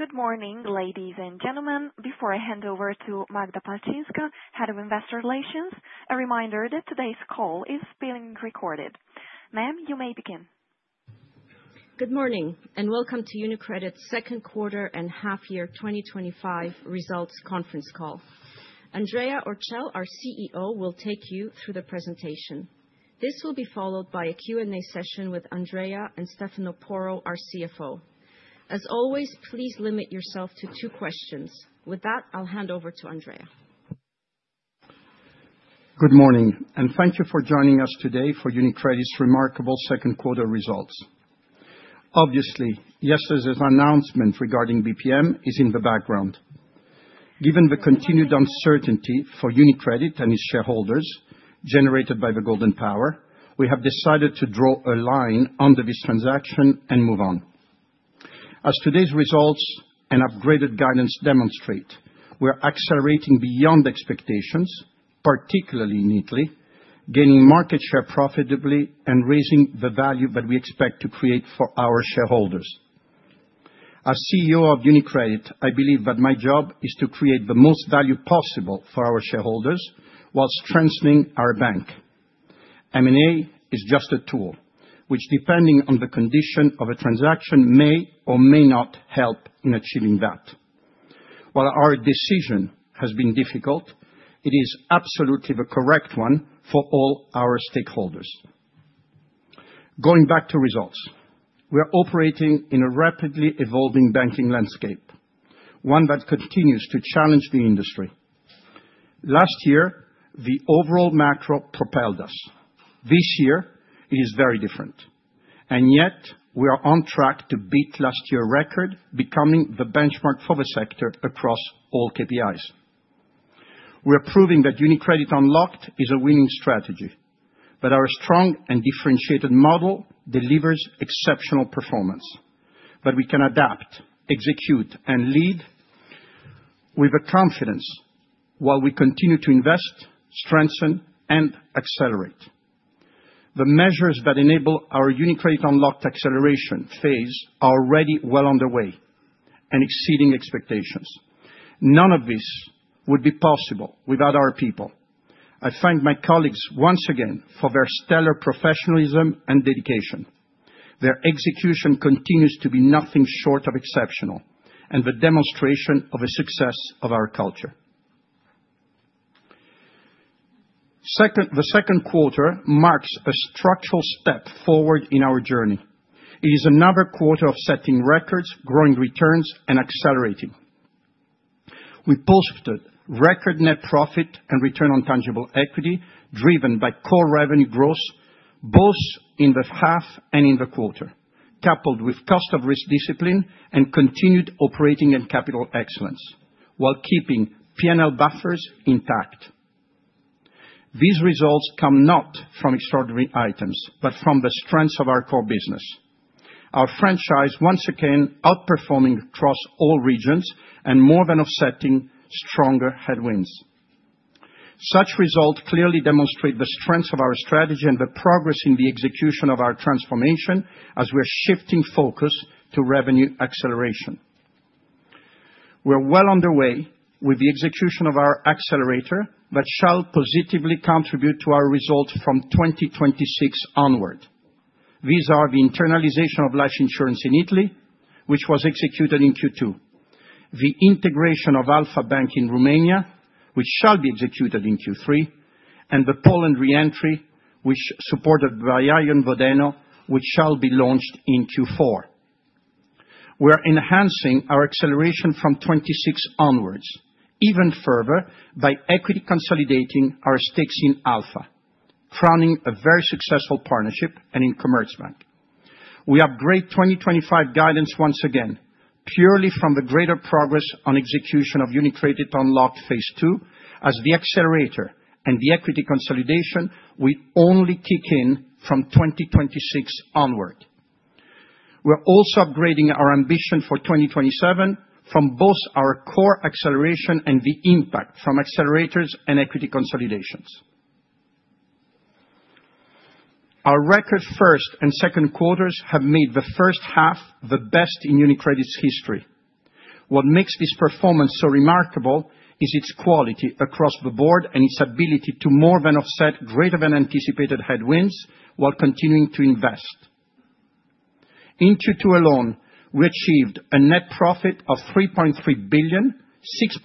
Good morning, ladies and gentlemen. Before I hand over to Magda Palczynska, Head of Investor Relations, a reminder that today's call is being recorded. Ma'am, you may begin. Good morning, and welcome to UniCredit's second quarter and half-year 2025 results Conference Call. Andrea Orcel, our CEO, will take you through the presentation. This will be followed by a Q&A session with Andrea and Stefano Porro, our CFO. As always, please limit yourself to two questions. With that, I'll hand over to Andrea. Good morning, and thank you for joining us today for UniCredit's remarkable second quarter results. Obviously, yesterday's announcement regarding BPM is in the background. Given the continued uncertainty for UniCredit and its shareholders generated by the golden power, we have decided to draw a line under this transaction and move on. As today's results and upgraded guidance demonstrate, we are accelerating beyond expectations, particularly neatly, gaining market share profitably, and raising the value that we expect to create for our shareholders. As CEO of UniCredit, I believe that my job is to create the most value possible for our shareholders while strengthening our bank. M&A is just a tool, which, depending on the condition of a transaction, may or may not help in achieving that. While our decision has been difficult, it is absolutely the correct one for all our stakeholders. Going back to results, we are operating in a rapidly evolving banking landscape, one that continues to challenge the industry. Last year, the overall macro propelled us. This year, it is very different. Yet, we are on track to beat last year's record, becoming the benchmark for the sector across all KPIs. We are proving that UniCredit Unlocked is a winning strategy, that our strong and differentiated model delivers exceptional performance, that we can adapt, execute, and lead. With confidence while we continue to invest, strengthen, and accelerate. The measures that enable our UniCredit Unlocked acceleration phase are already well underway and exceeding expectations. None of this would be possible without our people. I thank my colleagues once again for their stellar professionalism and dedication. Their execution continues to be nothing short of exceptional and the demonstration of the success of our culture. The second quarter marks a structural step forward in our journey. It is another quarter of setting records, growing returns, and accelerating. We posted record net profit and return on tangible equity driven by core revenue growth both in the half and in the quarter, coupled with cost of risk discipline and continued operating and capital excellence, while keeping P&L buffers intact. These results come not from extraordinary items, but from the strengths of our core business. Our franchise, once again, outperforming across all regions and more than offsetting stronger headwinds. Such results clearly demonstrate the strengths of our strategy and the progress in the execution of our transformation as we are shifting focus to revenue acceleration. We are well on the way with the execution of our accelerator that shall positively contribute to our results from 2026 onward. These are the internalization of life insurance in Italy, which was executed in Q2, the integration of Alpha Bank in Romania, which shall be executed in Q3, and the Poland reentry, supported by Arjen Vodano, which shall be launched in Q4. We are enhancing our acceleration from 2026 onwards even further by equity consolidating our stakes in Alpha, crowning a very successful partnership and in Commerzbank. We upgrade 2025 guidance once again, purely from the greater progress on execution of UniCredit Unlocked Phase 2 as the accelerator and the equity consolidation will only kick in from 2026 onward. We are also upgrading our ambition for 2027 from both our core acceleration and the impact from accelerators and equity consolidations. Our record first and second quarters have made the first half the best in UniCredit's history. What makes this performance so remarkable is its quality across the board and its ability to more than offset greater-than-anticipated headwinds while continuing to invest. In Q2 alone, we achieved a net profit of $3.3 billion,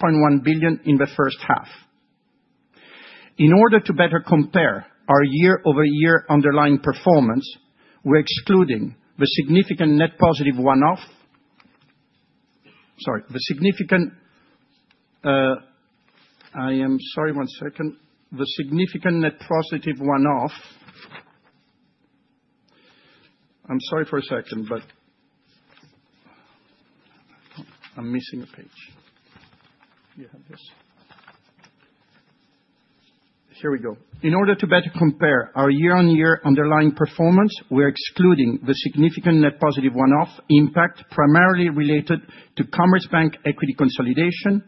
$6.1 billion in the first half. In order to better compare our year-over-year underlying performance, we're excluding the significant net positive one-off. Sorry, the significant. I am sorry, one second. The significant net positive one-off. I'm sorry for a second, but. I'm missing a page. You have this. Here we go. In order to better compare our year-on-year underlying performance, we're excluding the significant net positive one-off impact primarily related to Commerzbank equity consolidation,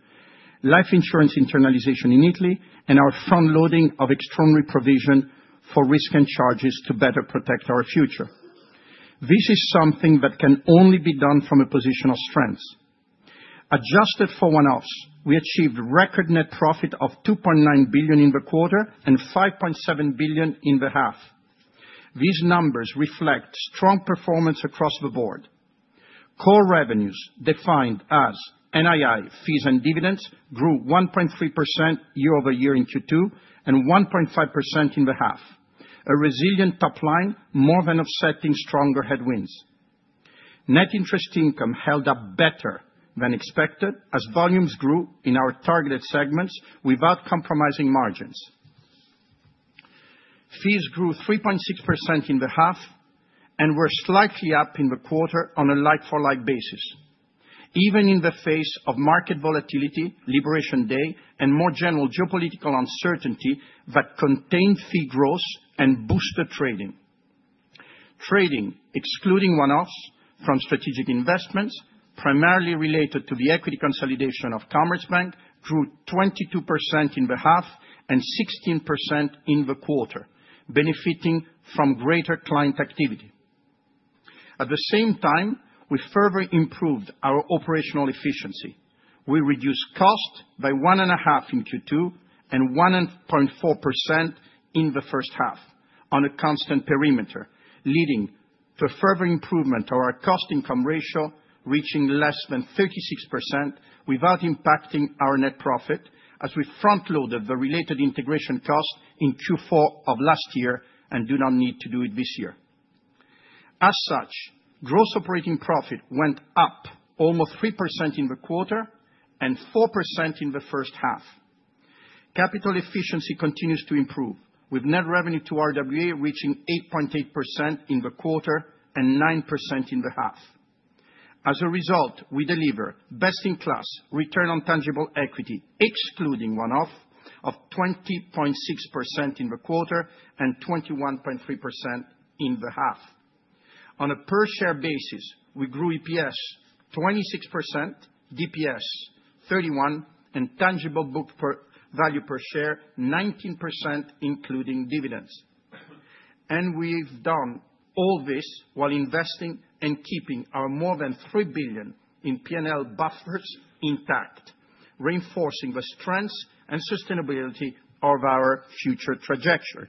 life insurance internalization in Italy, and our front-loading of extraordinary provision for risk and charges to better protect our future. This is something that can only be done from a position of strength. Adjusted for one-offs, we achieved record net profit of $2.9 billion in the quarter and $5.7 billion in the half. These numbers reflect strong performance across the board. Core revenues, defined as NII, fees and dividends, grew 1.3% year-over-year in Q2 and 1.5% in the half, a resilient top line more than offsetting stronger headwinds. Net interest income held up better than expected as volumes grew in our targeted segments without compromising margins. Fees grew 3.6% in the half, and we're slightly up in the quarter on a like-for-like basis, even in the face of market volatility, Liberation Day, and more general geopolitical uncertainty that contained fee growth and boosted trading. Trading, excluding one-offs from strategic investments primarily related to the equity consolidation of Commerzbank, grew 22% in the half and 16% in the quarter, benefiting from greater client activity. At the same time, we further improved our operational efficiency. We reduced cost by one and a half in Q2 and 1.4% in the first half on a constant perimeter, leading to a further improvement of our cost-income ratio, reaching less than 36% without impacting our net profit as we front-loaded the related integration cost in Q4 of last year and do not need to do it this year. As such, gross operating profit went up almost 3% in the quarter and 4% in the first half. Capital efficiency continues to improve, with net revenue to RWA reaching 8.8% in the quarter and 9% in the half. As a result, we deliver best-in-class return on tangible equity, excluding one-off, of 20.6% in the quarter and 21.3% in the half. On a per-share basis, we grew EPS 26%, DPS 31%, and tangible book value per share 19%, including dividends. We have done all this while investing and keeping our more than $3 billion in P&L buffers intact, reinforcing the strengths and sustainability of our future trajectory.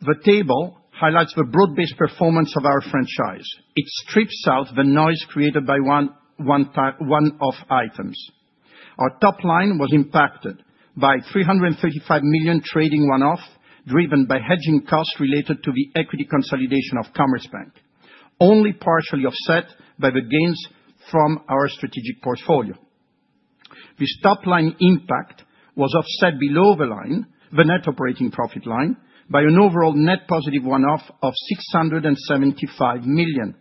The table highlights the broad-based performance of our franchise. It strips out the noise created by one-off items. Our top line was impacted by $335 million trading one-off driven by hedging costs related to the equity consolidation of Commerzbank, only partially offset by the gains from our strategic portfolio. This top line impact was offset below the line, the net operating profit line, by an overall net positive one-off of $675 million.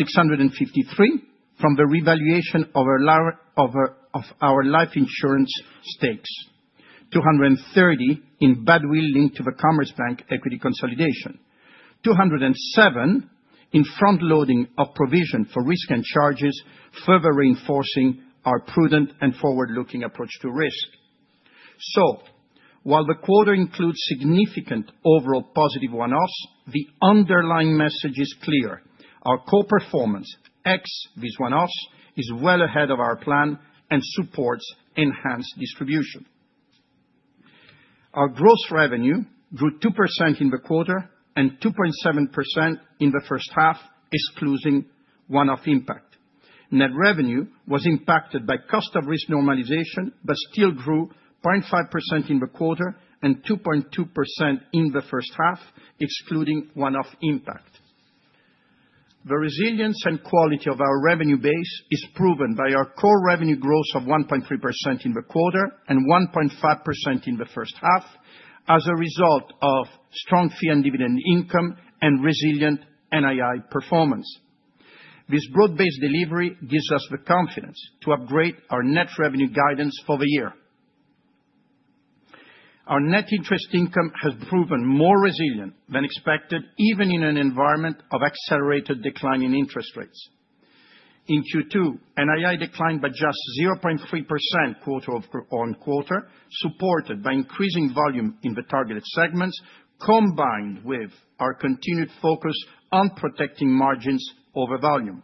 $653 million from the revaluation of our life insurance stakes, $230 million in badwill linked to the Commerzbank equity consolidation, $207 million in front-loading of provision for risk and charges, further reinforcing our prudent and forward-looking approach to risk. While the quarter includes significant overall positive one-offs, the underlying message is clear: our core performance ex these one-offs is well ahead of our plan and supports enhanced distribution. Our gross revenue grew 2% in the quarter and 2.7% in the first half, excluding one-off impact. Net revenue was impacted by cost of risk normalization, but still grew 0.5% in the quarter and 2.2% in the first half, excluding one-off impact. The resilience and quality of our revenue base is proven by our core revenue growth of 1.3% in the quarter and 1.5% in the first half as a result of strong fee and dividend income and resilient NII performance. This broad-based delivery gives us the confidence to upgrade our net revenue guidance for the year. Our net interest income has proven more resilient than expected, even in an environment of accelerated decline in interest rates. In Q2, NII declined by just 0.3% quarter on quarter, supported by increasing volume in the targeted segments, combined with our continued focus on protecting margins over volume.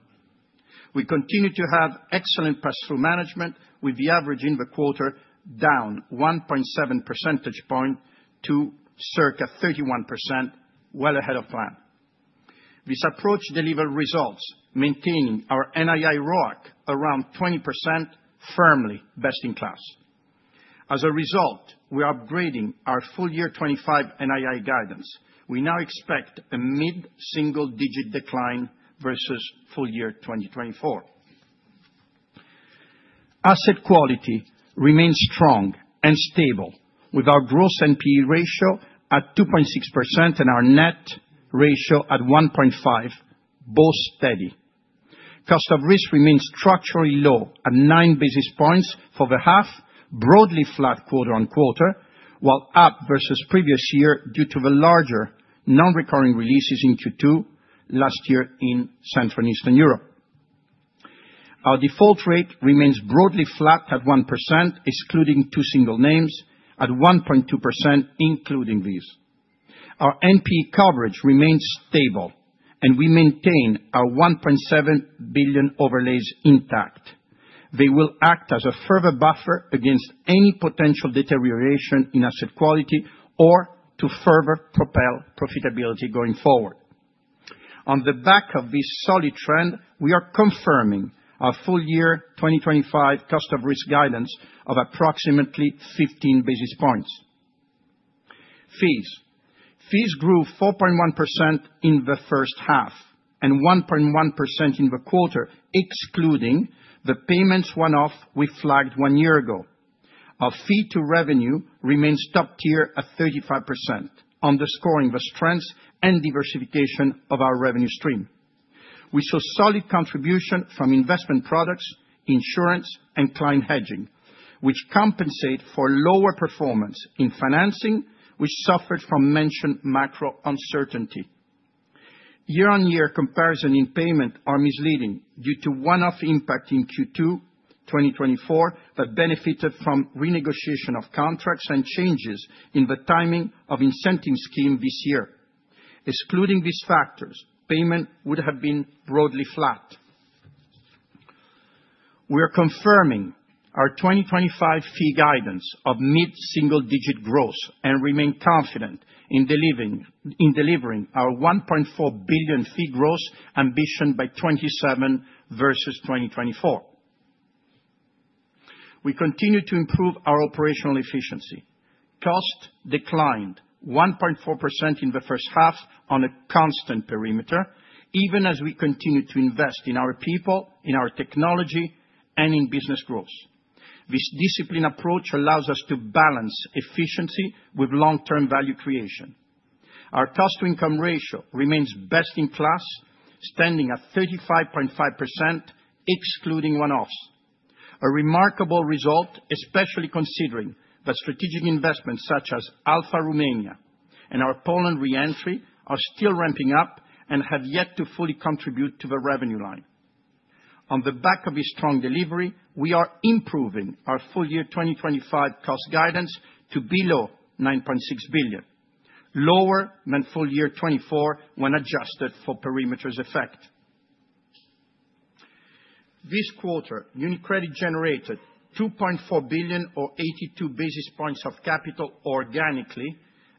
We continue to have excellent pass-through management, with the average in the quarter down 1.7 percentage points to circa 31%, well ahead of plan. This approach delivered results, maintaining our NII ROAC around 20%, firmly best in class. As a result, we are upgrading our full-year 2025 NII guidance. We now expect a mid-single-digit decline versus full-year 2024. Asset quality remains strong and stable, with our gross NPE ratio at 2.6% and our net ratio at 1.5%, both steady. Cost of risk remains structurally low at nine basis points for the half, broadly flat quarter on quarter, while up versus previous year due to the larger non-recurring releases in Q2 last year in Central and Eastern Europe. Our default rate remains broadly flat at 1%, excluding two single names, at 1.2% including these. Our NPE coverage remains stable, and we maintain our $1.7 billion overlays intact. They will act as a further buffer against any potential deterioration in asset quality or to further propel profitability going forward. On the back of this solid trend, we are confirming our full-year 2025 cost of risk guidance of approximately 15 basis points. Fees. Fees grew 4.1% in the first half and 1.1% in the quarter, excluding the payments one-off we flagged one year ago. Our fee-to-revenue remains top tier at 35%, underscoring the strengths and diversification of our revenue stream. We saw solid contribution from investment products, insurance, and client hedging, which compensate for lower performance in financing, which suffered from mentioned macro uncertainty. Year-on-year comparison in payments are misleading due to one-off impact in Q2 2024 that benefited from renegotiation of contracts and changes in the timing of incentive scheme this year. Excluding these factors, payments would have been broadly flat. We are confirming our 2025 fee guidance of mid-single-digit growth and remain confident in delivering our $1.4 billion fee growth ambition by 2027 versus 2024. We continue to improve our operational efficiency. Costs declined 1.4% in the first half on a constant perimeter, even as we continue to invest in our people, in our technology, and in business growth. This disciplined approach allows us to balance efficiency with long-term value creation. Our cost-to-income ratio remains best in class, standing at 35.5%, excluding one-offs. A remarkable result, especially considering that strategic investments such as Alpha Romania and our Poland reentry are still ramping up and have yet to fully contribute to the revenue line. On the back of this strong delivery, we are improving our full-year 2025 cost guidance to below $9.6 billion, lower than full-year 2024 when adjusted for perimeter effects. This quarter, UniCredit generated $2.4 billion, or 82 basis points of capital, organically,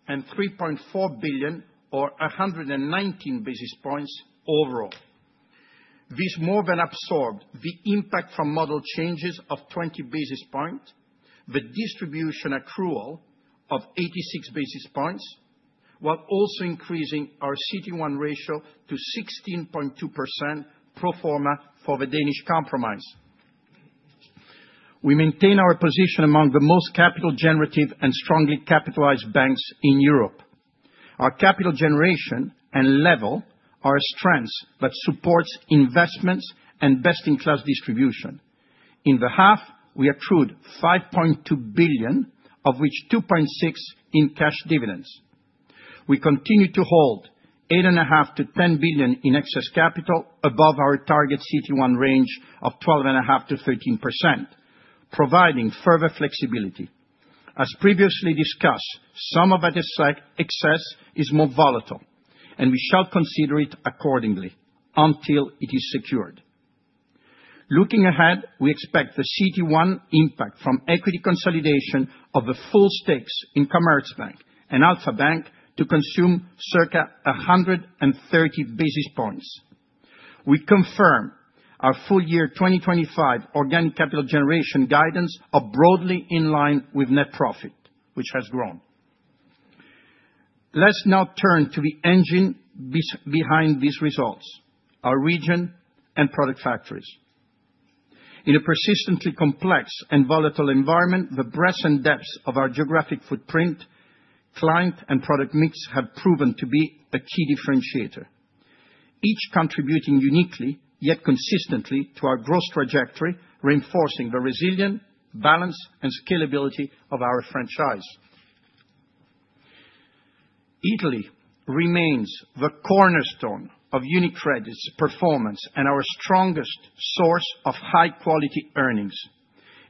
and $3.4 billion, or 119 basis points, overall. This more than absorbed the impact from model changes of 20 basis points, the distribution accrual of 86 basis points, while also increasing our CET1 ratio to 16.2% pro forma for the Danish Compromise. We maintain our position among the most capital-generative and strongly capitalized banks in Europe. Our capital generation and level are strengths that support investments and best-in-class distribution. In the half, we accrued $5.2 billion, of which $2.6 billion in cash dividends. We continue to hold $8.5 billion-$10 billion in excess capital above our target CET1 range of 12.5%-13%, providing further flexibility. As previously discussed, some of that excess is more volatile, and we shall consider it accordingly until it is secured. Looking ahead, we expect the CET1 impact from equity consolidation of the full stakes in Commerzbank and Alpha Bank to consume circa 130 basis points. We confirm our full-year 2025 organic capital generation guidance are broadly in line with net profit, which has grown. Let's now turn to the engine behind these results: our region and product factories. In a persistently complex and volatile environment, the breadth and depth of our geographic footprint, client, and product mix have proven to be a key differentiator. Each contributing uniquely, yet consistently, to our growth trajectory, reinforcing the resilience, balance, and scalability of our franchise. Italy remains the cornerstone of UniCredit's performance and our strongest source of high-quality earnings.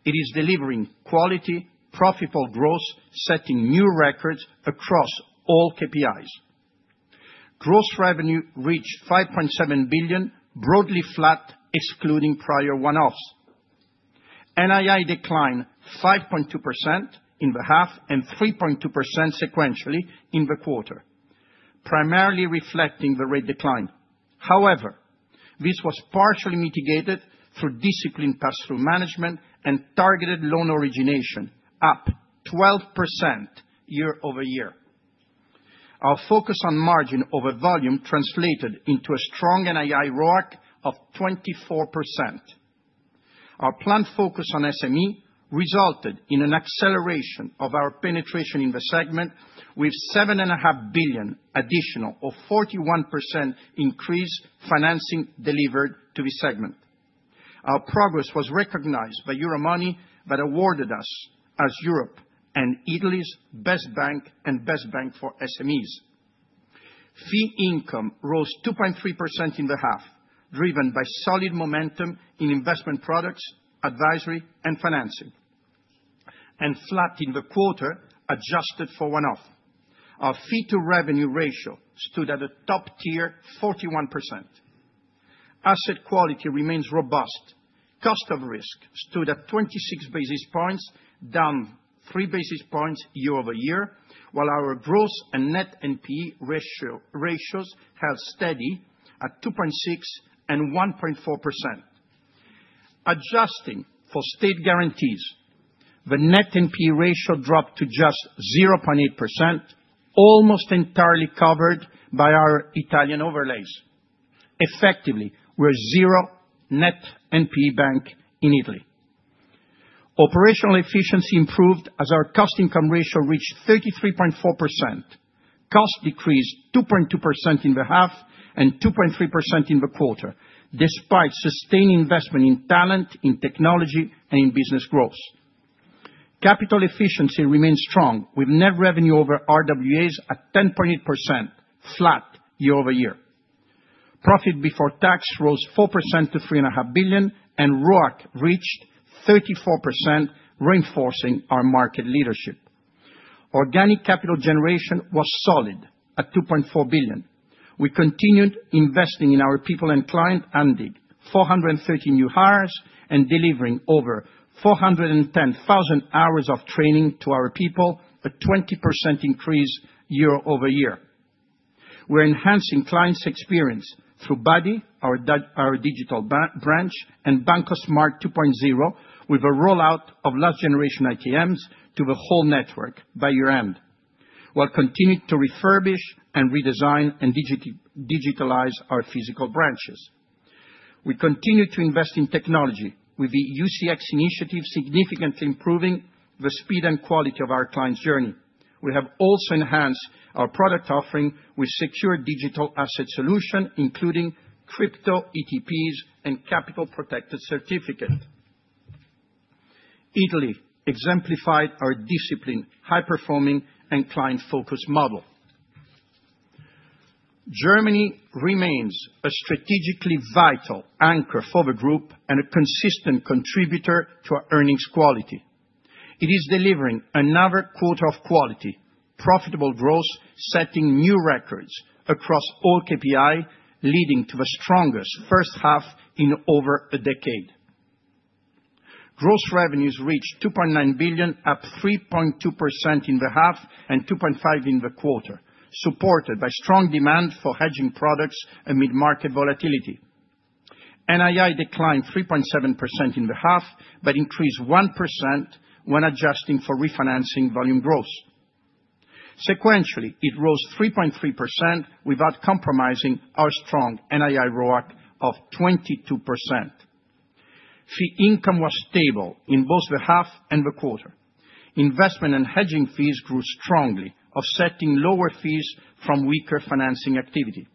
It is delivering quality, profitable growth, setting new records across all KPIs. Gross revenue reached $5.7 billion, broadly flat, excluding prior one-offs. NII declined 5.2% in the half and 3.2% sequentially in the quarter, primarily reflecting the rate decline. However, this was partially mitigated through disciplined pass-through management and targeted loan origination, up 12% Year-over-Year. Our focus on margin over volume translated into a strong NII ROAC of 24%. Our planned focus on SME resulted in an acceleration of our penetration in the segment, with $7.5 billion additional, or 41% increase, financing delivered to the segment. Our progress was recognized by Euromoney, that awarded us as Europe and Italy's best bank and best bank for SMEs. Fee income rose 2.3% in the half, driven by solid momentum in investment products, advisory, and financing. Flat in the quarter, adjusted for one-off. Our fee-to-revenue ratio stood at a top tier, 41%. Asset quality remains robust. Cost of risk stood at 26 basis points, down 3 basis points Year-over-Year, while our gross and net NPE ratios held steady at 2.6% and 1.4%. Adjusting for state guarantees, the net NPE ratio dropped to just 0.8%. Almost entirely covered by our Italian overlays. Effectively, we're zero net NPE bank in Italy. Operational efficiency improved as our cost income ratio reached 33.4%. Cost decreased 2.2% in the half and 2.3% in the quarter, despite sustained investment in talent, in technology, and in business growth. Capital efficiency remains strong with net revenue over RWAs at 10.8%, flat Year-over-Year. Profit before tax rose 4% to $3.5 billion, and ROAC reached 34%, reinforcing our market leadership. Organic capital generation was solid at $2.4 billion. We continued investing in our people and clients, Andy, 430 new hires, and delivering over 410,000 hours of training to our people, a 20% increase Year-over-Year. We're enhancing clients' experience through Buddy, our digital branch, and Banco Smart 2.0, with a rollout of last-generation ITMs to the whole network by year-end, while continuing to refurbish and redesign and digitalize our physical branches. We continue to invest in technology, with the UCX initiative significantly improving the speed and quality of our clients' journey. We have also enhanced our product offering with secure digital asset solution, including crypto ETPs and capital-protected certificates. Italy exemplified our disciplined, high-performing, and client-focused model. Germany remains a strategically vital anchor for the group and a consistent contributor to our earnings quality. It is delivering another quarter of quality, profitable growth, setting new records across all KPIs, leading to the strongest first half in over a decade. Gross revenues reached $2.9 billion, up 3.2% in the half and 2.5% in the quarter, supported by strong demand for hedging products amid market volatility. NII declined 3.7% in the half but increased 1% when adjusting for refinancing volume growth. Sequentially, it rose 3.3% without compromising our strong NII ROAC of 22%. Fee income was stable in both the half and the quarter. Investment and hedging fees grew strongly, offsetting lower fees from weaker financing activity.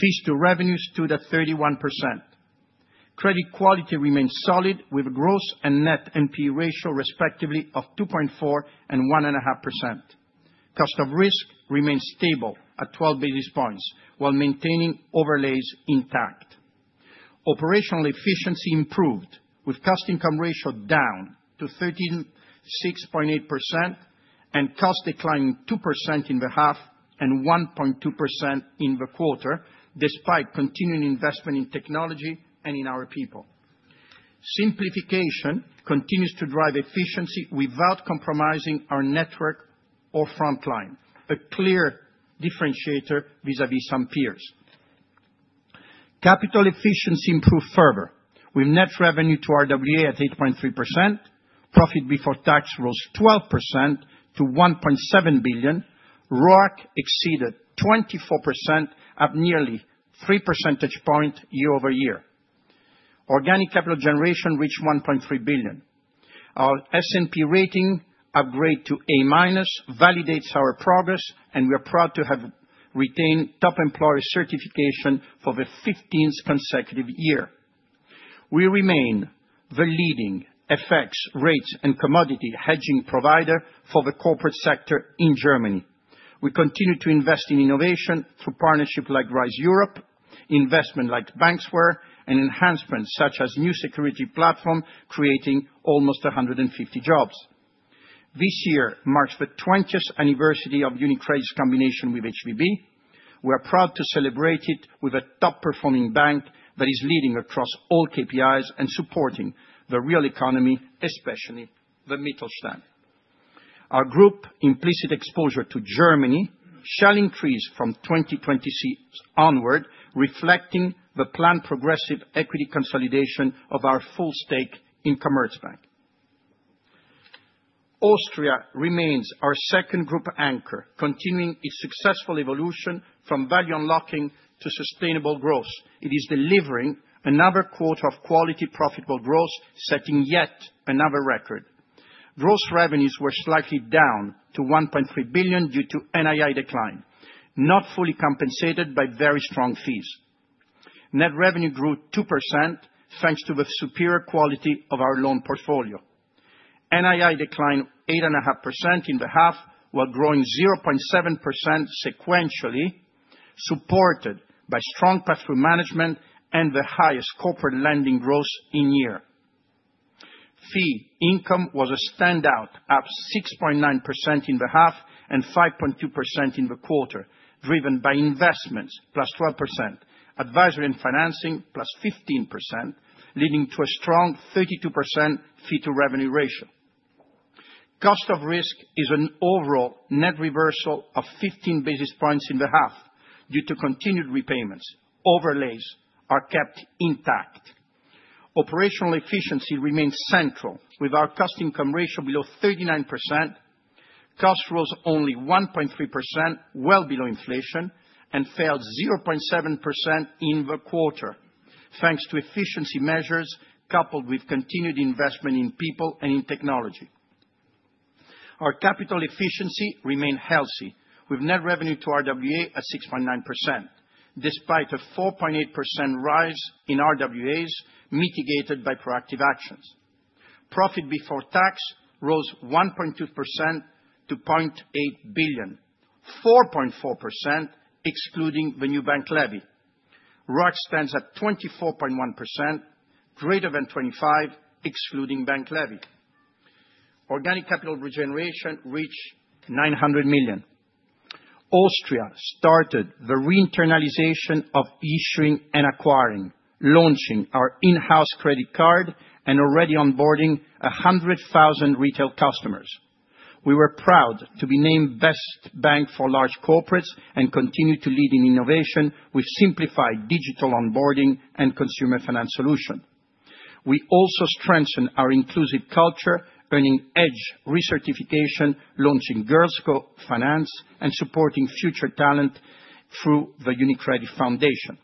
Fees-to-revenues stood at 31%. Credit quality remained solid with gross and net NPE ratio, respectively, of 2.4% and 1.5%. Cost of risk remained stable at 12 basis points, while maintaining overlays intact. Operational efficiency improved, with cost income ratio down to 36.8% and cost declining 2% in the half and 1.2% in the quarter, despite continuing investment in technology and in our people. Simplification continues to drive efficiency without compromising our network or frontline, a clear differentiator vis-à-vis some peers. Capital efficiency improved further, with net revenue to RWA at 8.3%. Profit before tax rose 12% to $1.7 billion. ROAC exceeded 24%, up nearly 3 percentage points Year-over-Year. Organic capital generation reached $1.3 billion. Our S&P rating upgrade to A- validates our progress, and we are proud to have retained top employer certification for the 15th consecutive year. We remain the leading FX, rates, and commodity hedging provider for the corporate sector in Germany. We continue to invest in innovation through partnerships like RISE Europe, investment like Banksware, and enhancements such as new security platforms, creating almost 150 jobs. This year marks the 20th anniversary of UniCredit's combination with HBB. We are proud to celebrate it with a top-performing bank that is leading across all KPIs and supporting the real economy, especially the Mittelstand. Our group implicit exposure to Germany shall increase from 2026 onward, reflecting the planned progressive equity consolidation of our full stake in Commerzbank. Austria remains our second group anchor, continuing its successful evolution from value unlocking to sustainable growth. It is delivering another quarter of quality, profitable growth, setting yet another record. Gross revenues were slightly down to $1.3 billion due to NII decline, not fully compensated by very strong fees. Net revenue grew 2%, thanks to the superior quality of our loan portfolio. NII declined 8.5% in the half, while growing 0.7% sequentially, supported by strong pass-through management and the highest corporate lending growth in years. Fee income was a standout, up 6.9% in the half and 5.2% in the quarter, driven by investments, plus 12%, advisory and financing, plus 15%, leading to a strong 32% fee-to-revenue ratio. Cost of risk is an overall net reversal of 15 basis points in the half due to continued repayments. Overlays are kept intact. Operational efficiency remains central, with our cost income ratio below 39%. Cost rose only 1.3%, well below inflation, and fell 0.7% in the quarter, thanks to efficiency measures coupled with continued investment in people and in technology. Our capital efficiency remained healthy, with net revenue to RWA at 6.9%, despite a 4.8% rise in RWAs, mitigated by proactive actions. Profit before tax rose 1.2% to $0.8 billion, 4.4% excluding the new bank levy. ROAC stands at 24.1%. Greater than 25%, excluding bank levy. Organic capital regeneration reached $900 million. Austria started the re-internalization of issuing and acquiring, launching our in-house credit card and already onboarding 100,000 retail customers. We were proud to be named best bank for large corporates and continue to lead in innovation with simplified digital onboarding and consumer finance solution. We also strengthened our inclusive culture, earning EDGE recertification, launching Girls' Co Finance, and supporting future talent through the UniCredit Foundation.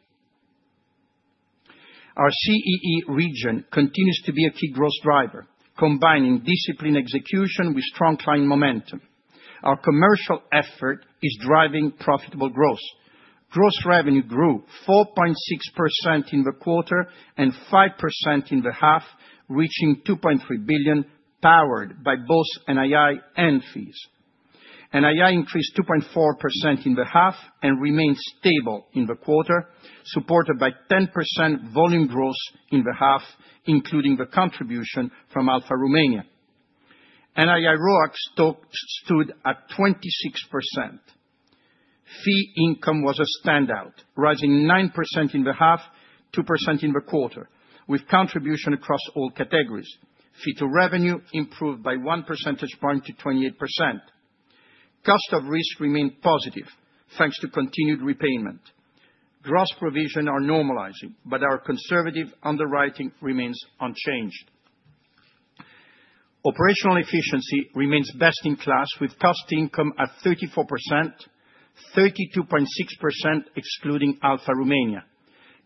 Our CEE region continues to be a key growth driver, combining discipline execution with strong client momentum. Our commercial effort is driving profitable growth. Gross revenue grew 4.6% in the quarter and 5% in the half, reaching $2.3 billion, powered by both NII and fees. NII increased 2.4% in the half and remained stable in the quarter, supported by 10% volume growth in the half, including the contribution from Alpha Romania. NII ROAC stood at 26%. Fee income was a standout, rising 9% in the half, 2% in the quarter, with contribution across all categories. Fee-to-revenue improved by 1 percentage point to 28%. Cost of risk remained positive, thanks to continued repayment. Gross provisions are normalizing, but our conservative underwriting remains unchanged. Operational efficiency remains best in class, with cost income at 34%. 32.6%, excluding Alpha Romania.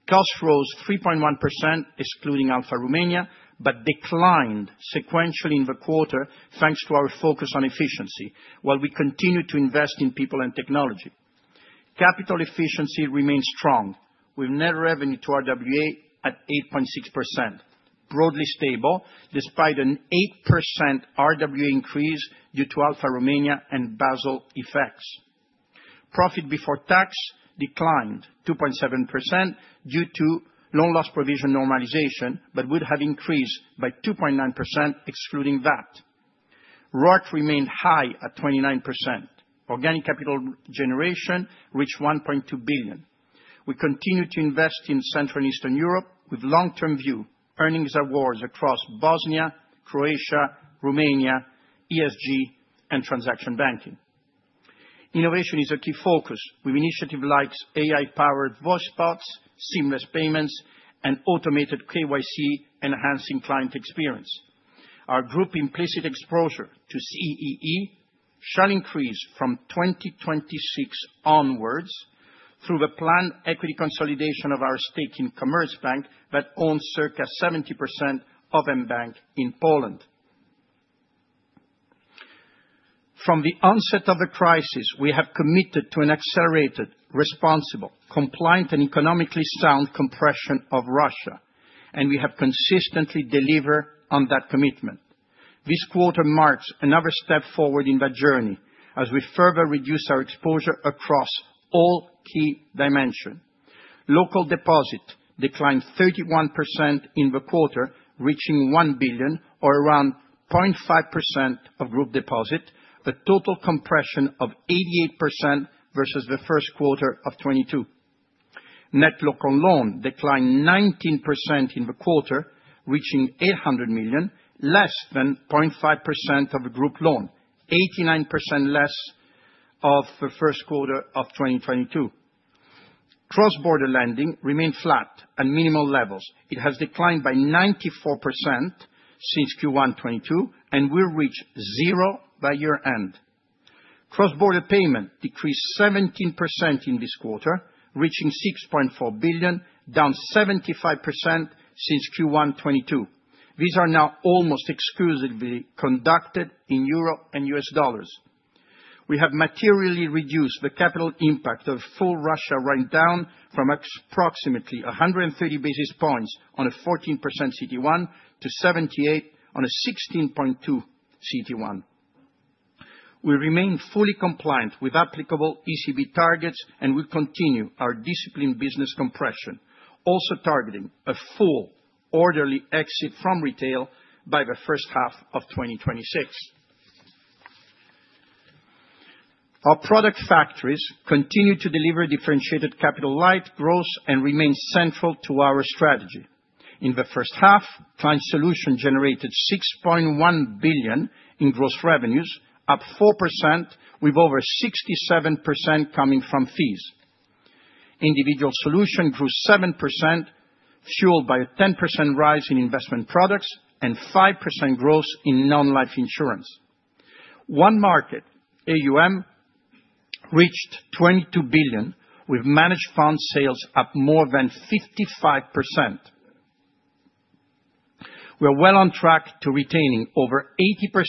Cost rose 3.1%, excluding Alpha Romania, but declined sequentially in the quarter, thanks to our focus on efficiency, while we continue to invest in people and technology. Capital efficiency remains strong, with net revenue to RWA at 8.6%, broadly stable, despite an 8% RWA increase due to Alpha Romania and Basel effects. Profit before tax declined 2.7% due to loan loss provision normalization, but would have increased by 2.9%, excluding VAT. ROAC remained high at 29%. Organic capital generation reached $1.2 billion. We continue to invest in Central and Eastern Europe, with long-term view, earnings awards across Bosnia, Croatia, Romania, ESG, and transaction banking. Innovation is a key focus, with initiatives like AI-powered voicebots, seamless payments, and automated KYC, enhancing client experience. Our group implicit exposure to CEE shall increase from 2026 onwards through the planned equity consolidation of our stake in Commerzbank that owns circa 70% of mBank in Poland. From the onset of the crisis, we have committed to an accelerated, responsible, compliant, and economically sound compression of Russia, and we have consistently delivered on that commitment. This quarter marks another step forward in that journey as we further reduce our exposure across all key dimensions. Local deposit declined 31% in the quarter, reaching $1 billion, or around 0.5% of group deposit, a total compression of 88% versus the first quarter of 2022. Net local loan declined 19% in the quarter, reaching $800 million, less than 0.5% of the group loan, 89% less. Of the first quarter of 2022. Cross-border lending remained flat at minimal levels. It has declined by 94% since Q1 2022, and will reach zero by year-end. Cross-border payment decreased 17% in this quarter, reaching $6.4 billion, down 75% since Q1 2022. These are now almost exclusively conducted in Euro and US dollars. We have materially reduced the capital impact of full Russia right down from approximately 130 basis points on a 14% CET1 to 78 basis points on a 16.2% CET1. We remain fully compliant with applicable ECB targets and will continue our disciplined business compression, also targeting a full orderly exit from retail by the first half of 2026. Our product factories continue to deliver differentiated capital-light growth and remain central to our strategy. In the first half, client solution generated 6.1 billion in gross revenues, up 4%, with over 67% coming from fees. Individual solution grew 7%, fueled by a 10% rise in investment products and 5% growth in non-life insurance. One market, AUM, reached 22 billion, with managed fund sales up more than 55%. We are well on track to retaining over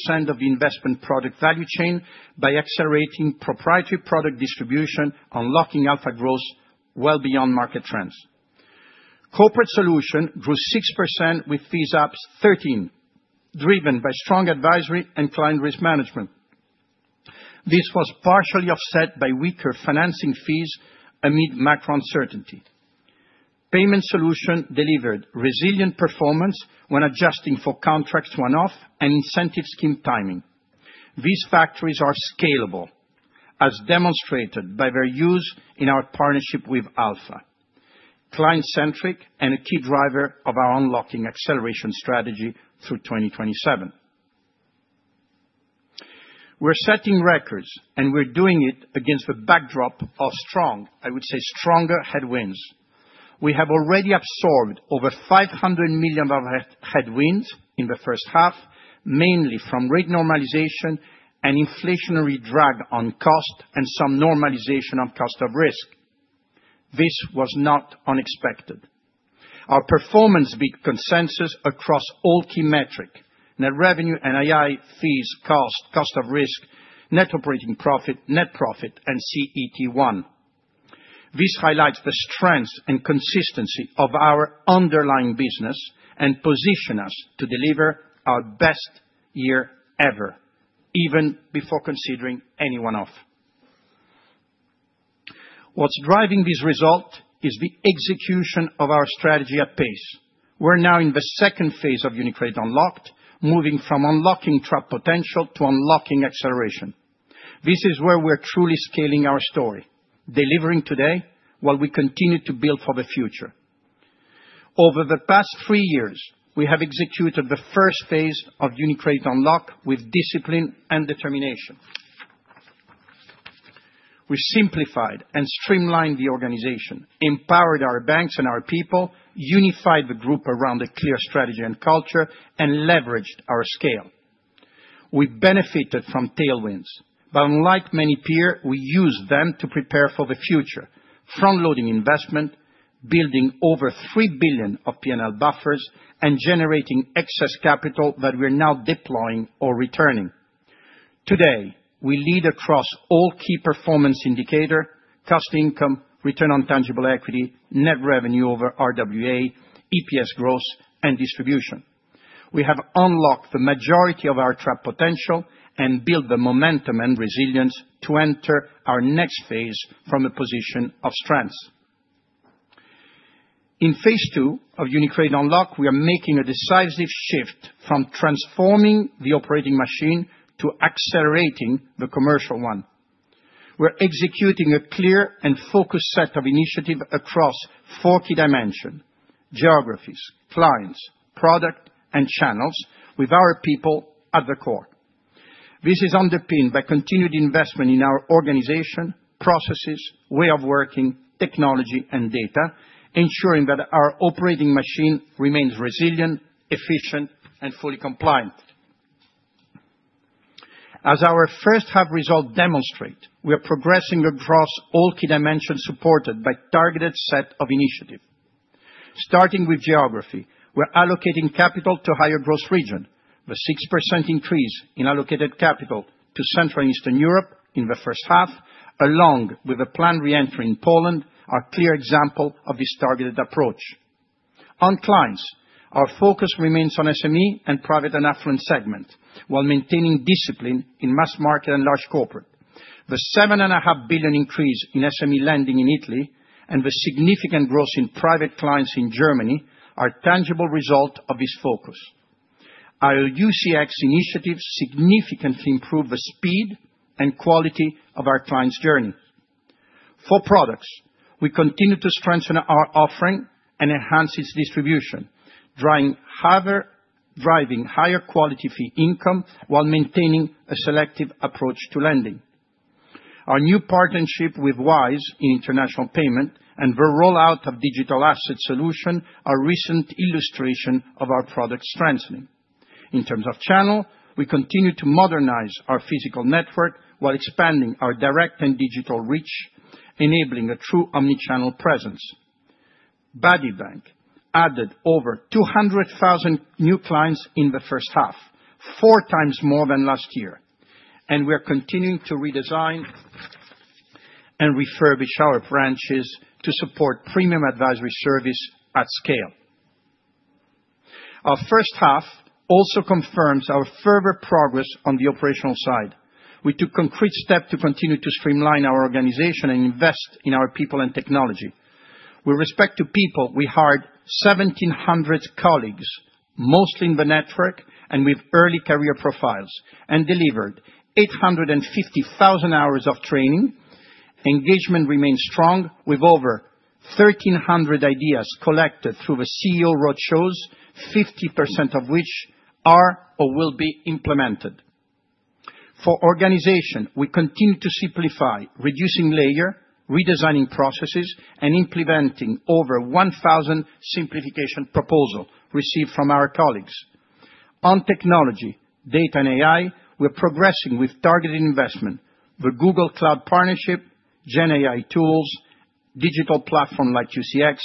80% of investment product value chain by accelerating proprietary product distribution, unlocking Alpha growth well beyond market trends. Corporate solution grew 6%, with fees up 13%, driven by strong advisory and client risk management. This was partially offset by weaker financing fees amid macron uncertainty. Payment solution delivered resilient performance when adjusting for contract one-off and incentive scheme timing. These factories are scalable, as demonstrated by their use in our partnership with Alpha. Client-centric and a key driver of our unlocking acceleration strategy through 2027. We're setting records, and we're doing it against the backdrop of strong—I would say stronger—headwinds. We have already absorbed over 500 million of headwinds in the first half, mainly from rate normalization and inflationary drag on cost and some normalization on cost of risk. This was not unexpected. Our performance beat consensus across all key metrics: net revenue, NII, fees, cost, cost of risk, net operating profit, net profit, and CET1. This highlights the strength and consistency of our underlying business and positions us to deliver our best year ever, even before considering any one-off. What's driving this result is the execution of our strategy at pace. We're now in the second phase of UniCredit Unlocked, moving from unlocking trap potential to unlocking acceleration. This is where we're truly scaling our story, delivering today while we continue to build for the future. Over the past three years, we have executed the first phase of UniCredit Unlocked with discipline and determination. We simplified and streamlined the organization, empowered our banks and our people, unified the group around a clear strategy and culture, and leveraged our scale. We benefited from tailwinds, but unlike many peers, we used them to prepare for the future, front-loading investment, building over 3 billion of P&L buffers, and generating excess capital that we're now deploying or returning. Today, we lead across all key performance indicators: cost-to-income, return on tangible equity, net revenue over RWA, EPS growth, and distribution. We have unlocked the majority of our trap potential and built the momentum and resilience to enter our next phase from a position of strength. In phase two of UniCredit Unlocked, we are making a decisive shift from transforming the operating machine to accelerating the commercial one. We're executing a clear and focused set of initiatives across four key dimensions: geographies, clients, product, and channels, with our people at the core. This is underpinned by continued investment in our organization, processes, way of working, technology, and data, ensuring that our operating machine remains resilient, efficient, and fully compliant. As our first half results demonstrate, we are progressing across all key dimensions supported by a targeted set of initiatives. Starting with geography, we're allocating capital to higher growth regions, with a 6% increase in allocated capital to Central and Eastern Europe in the first half, along with a planned re-entry in Poland, our clear example of this targeted approach. On clients, our focus remains on SME and private and affluent segments while maintaining discipline in mass market and large corporate. The $7.5 billion increase in SME lending in Italy and the significant growth in private clients in Germany are tangible results of this focus. Our UCX initiatives significantly improve the speed and quality of our clients' journey. For products, we continue to strengthen our offering and enhance its distribution, driving higher quality fee income while maintaining a selective approach to lending. Our new partnership with Wise in international payment and the rollout of digital asset solutions are recent illustrations of our product strengthening. In terms of channel, we continue to modernize our physical network while expanding our direct and digital reach, enabling a true omnichannel presence. Badi Bank added over 200,000 new clients in the first half, four times more than last year, and we are continuing to redesign and refurbish our branches to support premium advisory service at scale. Our first half also confirms our further progress on the operational side. We took concrete steps to continue to streamline our organization and invest in our people and technology. With respect to people, we hired 1,700 colleagues, mostly in the network and with early career profiles, and delivered 850,000 hours of training. Engagement remains strong, with over 1,300 ideas collected through the CEO roadshows, 50% of which are or will be implemented. For organization, we continue to simplify, reducing layer, redesigning processes, and implementing over 1,000 simplification proposals received from our colleagues. On technology, data and AI, we're progressing with targeted investment, the Google Cloud Partnership, GenAI tools, digital platform like UCX,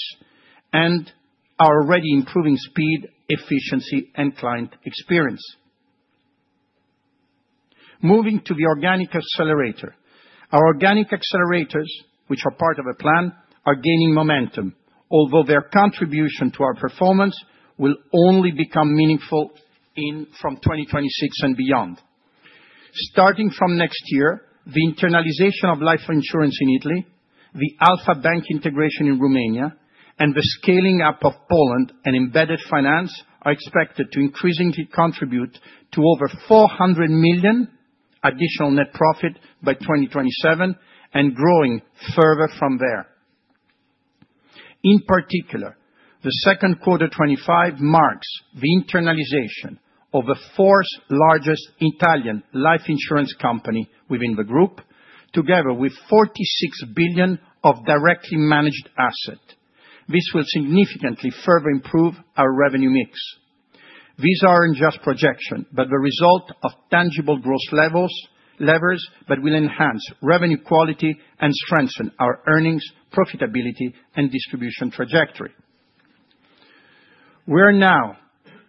and our already improving speed, efficiency, and client experience. Moving to the organic accelerator, our organic accelerators, which are part of a plan, are gaining momentum, although their contribution to our performance will only become meaningful from 2026 and beyond. Starting from next year, the internalization of life insurance in Italy, the Alpha Bank integration in Romania, and the scaling up of Poland and embedded finance are expected to increasingly contribute to over $400 million additional net profit by 2027 and growing further from there. In particular, the second quarter 2025 marks the internalization of the fourth-largest Italian life insurance company within the group, together with $46 billion of directly managed assets. This will significantly further improve our revenue mix. These aren't just projections, but the result of tangible growth levers that will enhance revenue quality and strengthen our earnings, profitability, and distribution trajectory. We are now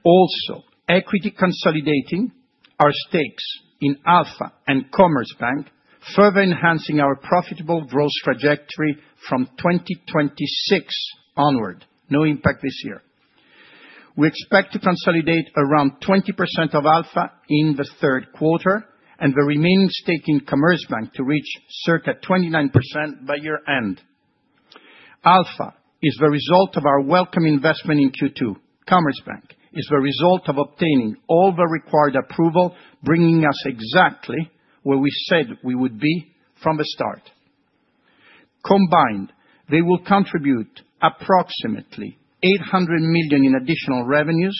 also equity consolidating our stakes in Alpha and Commerzbank, further enhancing our profitable growth trajectory from 2026 onward, no impact this year. We expect to consolidate around 20% of Alpha in the third quarter and the remaining stake in Commerzbank to reach circa 29% by year-end. Alpha is the result of our welcome investment in the second quarter. Commerzbank is the result of obtaining all the required approval, bringing us exactly where we said we would be from the start. Combined, they will contribute approximately $800 million in additional revenues,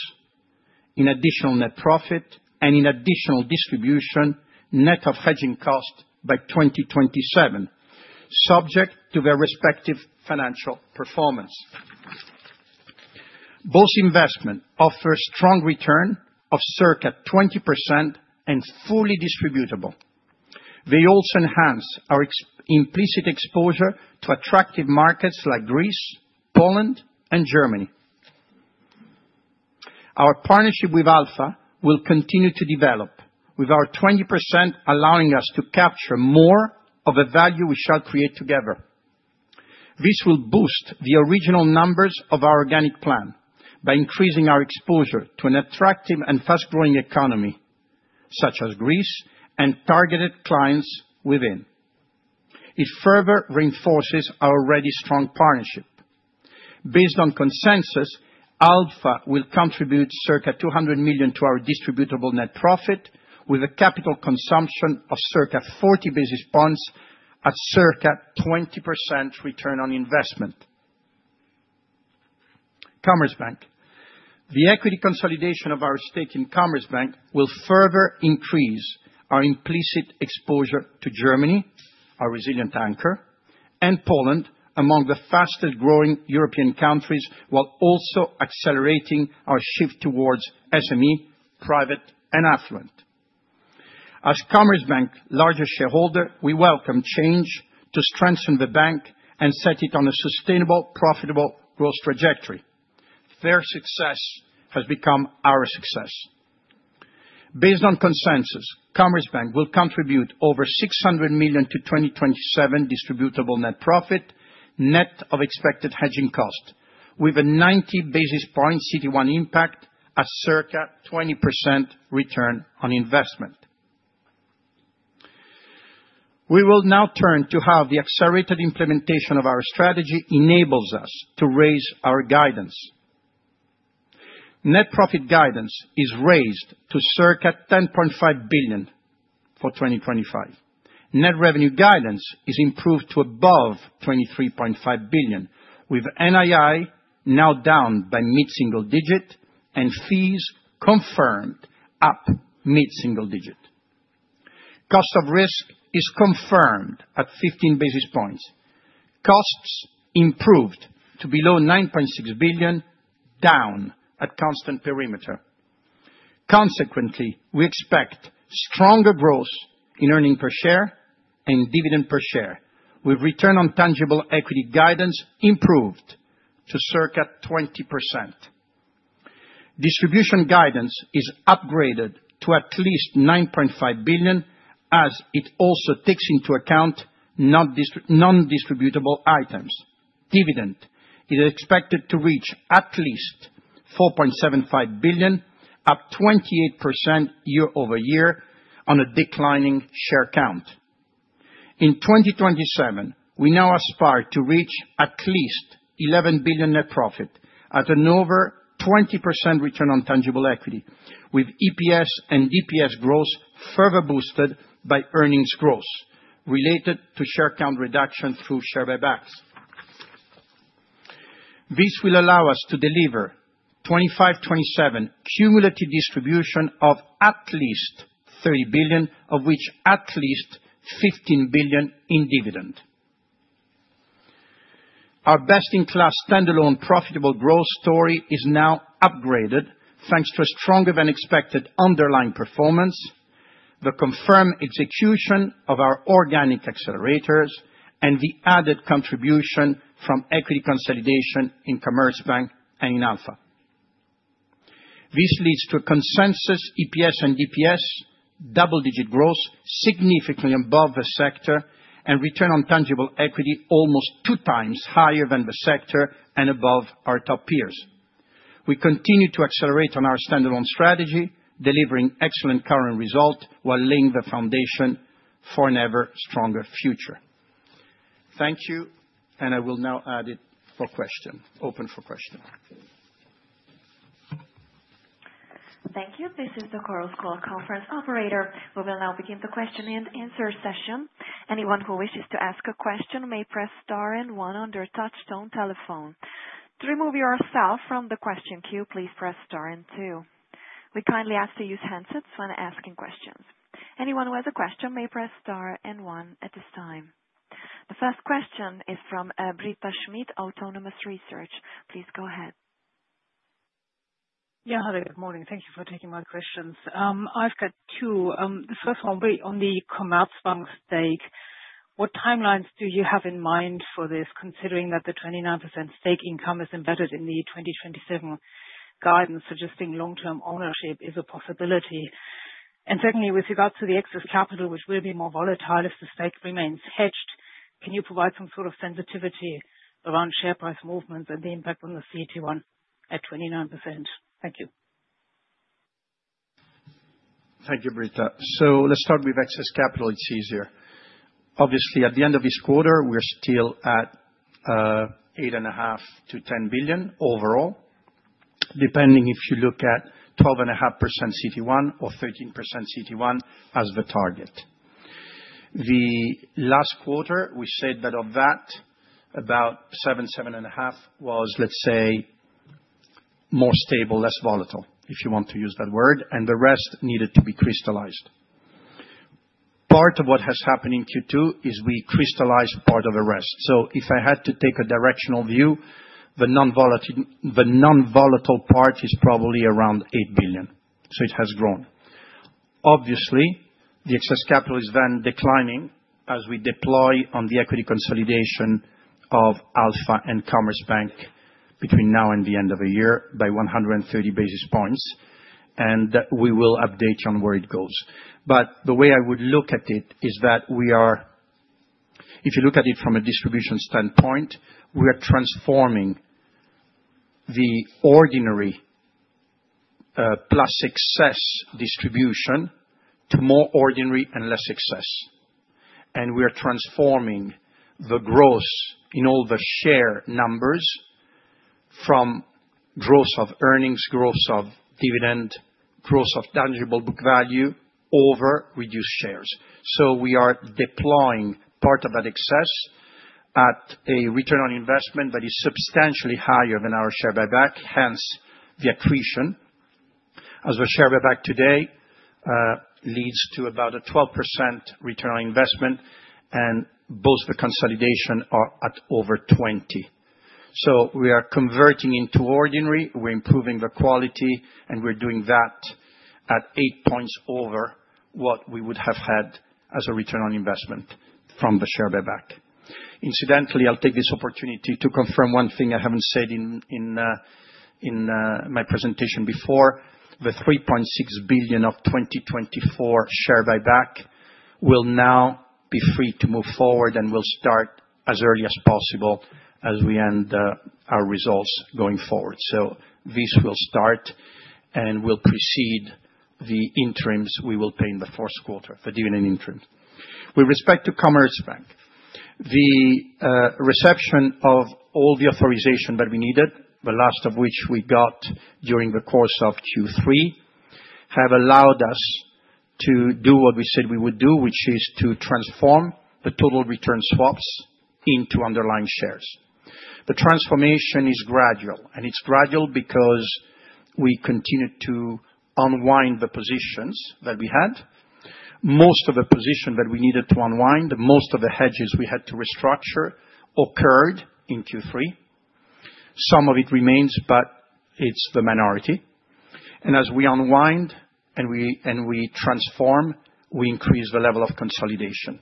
in additional net profit, and in additional distribution net of hedging costs by 2027, subject to their respective financial performance. Both investments offer strong returns of circa 20% and are fully distributable. They also enhance our implicit exposure to attractive markets like Greece, Poland, and Germany. Our partnership with Alpha will continue to develop, with our 20% allowing us to capture more of the value we shall create together. This will boost the original numbers of our organic plan by increasing our exposure to an attractive and fast-growing economy such as Greece and targeted clients within. It further reinforces our already strong partnership. Based on consensus, Alpha will contribute circa $200 million to our distributable net profit, with a capital consumption of circa 40 basis points at circa 20% return on investment. Commerzbank, the equity consolidation of our stake in Commerzbank will further increase our implicit exposure to Germany, our resilient anchor, and Poland among the fastest-growing European countries, while also accelerating our shift towards SME, private, and affluent. As Commerzbank's largest shareholder, we welcome change to strengthen the bank and set it on a sustainable, profitable growth trajectory. Their success has become our success. Based on consensus, Commerzbank will contribute over $600 million to 2027 distributable net profit, net of expected hedging costs, with a 90 basis point CET1 impact at circa 20% return on investment. We will now turn to how the accelerated implementation of our strategy enables us to raise our guidance. Net profit guidance is raised to circa $10.5 billion for 2025. Net revenue guidance is improved to above $23.5 billion, with NII now down by mid-single digit and fees confirmed up mid-single digit. Cost of risk is confirmed at 15 basis points. Costs improved to below $9.6 billion, down at constant perimeter. Consequently, we expect stronger growth in earnings per share and dividend per share, with return on tangible equity guidance improved to circa 20%. Distribution guidance is upgraded to at least $9.5 billion, as it also takes into account nondistributable items. Dividend is expected to reach at least $4.75 billion, up 28% year-over-year on a declining share count. In 2027, we now aspire to reach at least $11 billion net profit at an over 20% return on tangible equity, with EPS and DPS growth further boosted by earnings growth related to share count reduction through share buybacks. This will allow us to deliver 2025-2027 cumulative distribution of at least $30 billion, of which at least $15 billion in dividend. Our best-in-class standalone profitable growth story is now upgraded thanks to a stronger-than-expected underlying performance, the confirmed execution of our organic accelerators, and the added contribution from equity consolidation in Commerzbank and in Alpha. This leads to consensus EPS and DPS double-digit growth, significantly above the sector, and return on tangible equity almost two times higher than the sector and above our top peers. We continue to accelerate on our standalone strategy, delivering excellent current results while laying the foundation for an ever-stronger future. Thank you, and I will now open for question. Thank you. This is the Coral School conference operator. We will now begin the question and answer session. Anyone who wishes to ask a question may press star and one on their touchstone telephone. To remove yourself from the question queue, please press star and two. We kindly ask to use handsets when asking questions. Anyone who has a question may press star and one at this time. The first question is from Britta Schmidt, Autonomous Research. Please go ahead. Yeah, hello, good morning. Thank you for taking my questions. I've got two. The first one will be on the Commerzbank stake. What timelines do you have in mind for this, considering that the 29% stake income is embedded in the 2027 guidance, suggesting long-term ownership is a possibility? And secondly, with regard to the excess capital, which will be more volatile if the stake remains hedged, can you provide some sort of sensitivity around share price movements and the impact on the CET1 at 29%? Thank you. Thank you, Britta. So let's start with excess capital. It's easier. Obviously, at the end of this quarter, we're still at $8.5-$10 billion overall. Depending if you look at 12.5% CET1 or 13% CET1 as the target. The last quarter, we said that of that, about $7-$7.5 billion was, let's say, more stable, less volatile, if you want to use that word, and the rest needed to be crystallized. Part of what has happened in Q2 is we crystallized part of the rest. If I had to take a directional view, the non-volatile part is probably around $8 billion. So it has grown. Obviously, the excess capital is then declining as we deploy on the equity consolidation of Alpha and Commerzbank between now and the end of the year by 130 basis points, and we will update you on where it goes. The way I would look at it is that we are, if you look at it from a distribution standpoint, we are transforming the ordinary plus success distribution to more ordinary and less success. We are transforming the growth in all the share numbers from growth of earnings, growth of dividend, growth of tangible book value over reduced shares. We are deploying part of that excess at a return on investment that is substantially higher than our share buyback, hence the accretion. As the share buyback today leads to about a 12% return on investment, and both the consolidation are at over $20. We are converting into ordinary, we're improving the quality, and we're doing that at eight percentage points over what we would have had as a return on investment from the share buyback. Incidentally, I'll take this opportunity to confirm one thing I haven't said in my presentation before. The $3.6 billion of 2024 share buyback will now be free to move forward and will start as early as possible as we end our results going forward. This will start and will precede the interims we will pay in the fourth quarter, the dividend interim. With respect to Commerzbank, the reception of all the authorization that we needed, the last of which we got during the course of Q3, have allowed us to do what we said we would do, which is to transform the total return swaps into underlying shares. The transformation is gradual, and it's gradual because we continue to unwind the positions that we had. Most of the positions that we needed to unwind, most of the hedges we had to restructure occurred in Q3. Some of it remains, but it's the minority. As we unwind and we transform, we increase the level of consolidation.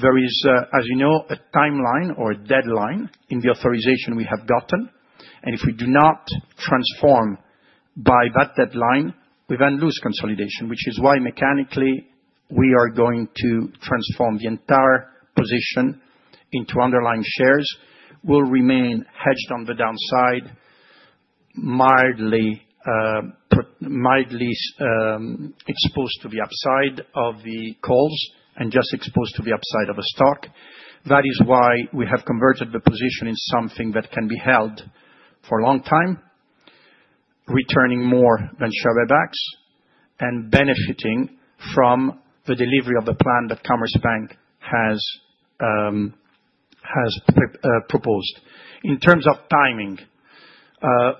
There is, as you know, a timeline or a deadline in the authorization we have gotten, and if we do not transform by that deadline, we then lose consolidation, which is why mechanically we are going to transform the entire position into underlying shares. We'll remain hedged on the downside, mildly exposed to the upside of the calls and just exposed to the upside of a stock. That is why we have converted the position in something that can be held for a long time, returning more than share buybacks and benefiting from the delivery of the plan that Commerzbank has proposed. In terms of timing,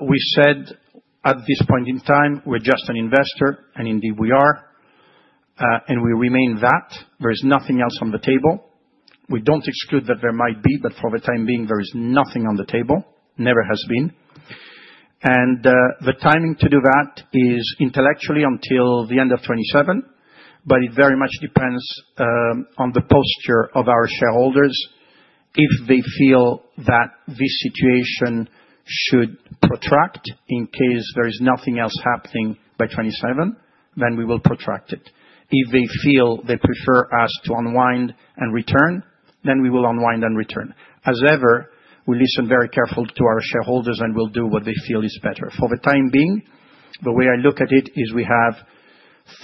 we said at this point in time we're just an investor, and indeed we are, and we remain that. There is nothing else on the table. We don't exclude that there might be, but for the time being, there is nothing on the table, never has been. The timing to do that is intellectually until the end of 2027, but it very much depends on the posture of our shareholders. If they feel that this situation should protract, in case there is nothing else happening by 2027, then we will protract it. If they feel they prefer us to unwind and return, then we will unwind and return. As ever, we listen very carefully to our shareholders and we will do what they feel is better. For the time being, the way I look at it is we have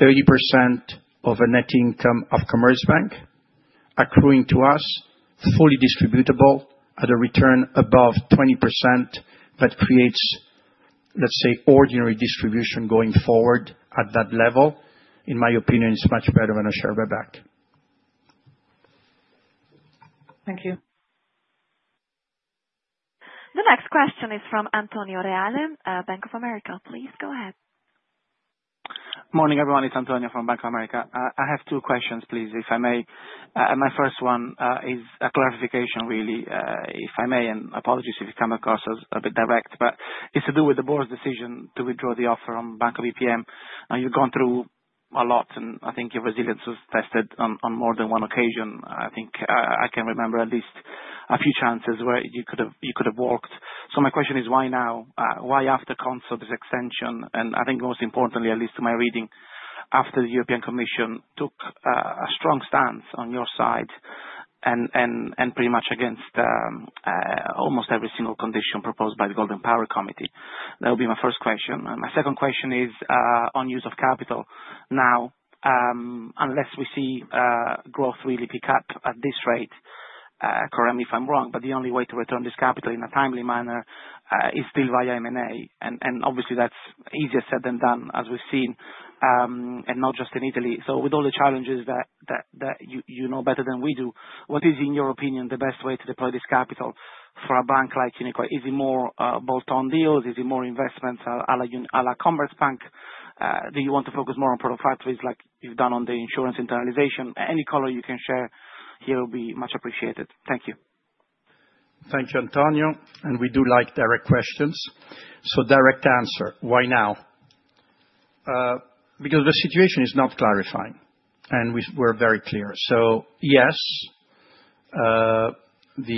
30% of a net income of Commerzbank accruing to us, fully distributable at a return above 20% that creates, let's say, ordinary distribution going forward at that level. In my opinion, it is much better than a share buyback. Thank you. The next question is from Antonio Reale, Bank of America. Please go ahead. Morning, everyone. It is Antonio from Bank of America. I have two questions, please, if I may. My first one is a clarification, really, if I may, and apologies if I come across a bit direct, but it is to do with the board's decision to withdraw the offer on Banco BPM. Now, you have gone through a lot, and I think your resilience was tested on more than one occasion. I think I can remember at least a few chances where you could have worked. My question is, why now? Why after Consort's extension? I think most importantly, at least to my reading, after the European Commission took a strong stance on your side and pretty much against almost every single condition proposed by the Golden Power Committee. That would be my first question. My second question is on use of capital. Now, unless we see growth really pick up at this rate, correct me if I am wrong, but the only way to return this capital in a timely manner is still via M&A. Obviously, that is easier said than done, as we have seen, and not just in Italy. With all the challenges that you know better than we do, what is, in your opinion, the best way to deploy this capital for a bank like UniCredit? Is it more bolt-on deals? Is it more investments a la Commerzbank? Do you want to focus more on product factories like you have done on the insurance internalization? Any color you can share here will be much appreciated. Thank you. Thank you, Antonio. We do like direct questions. Direct answer, why now? Because the situation is not clarifying, and we are very clear. Yes, the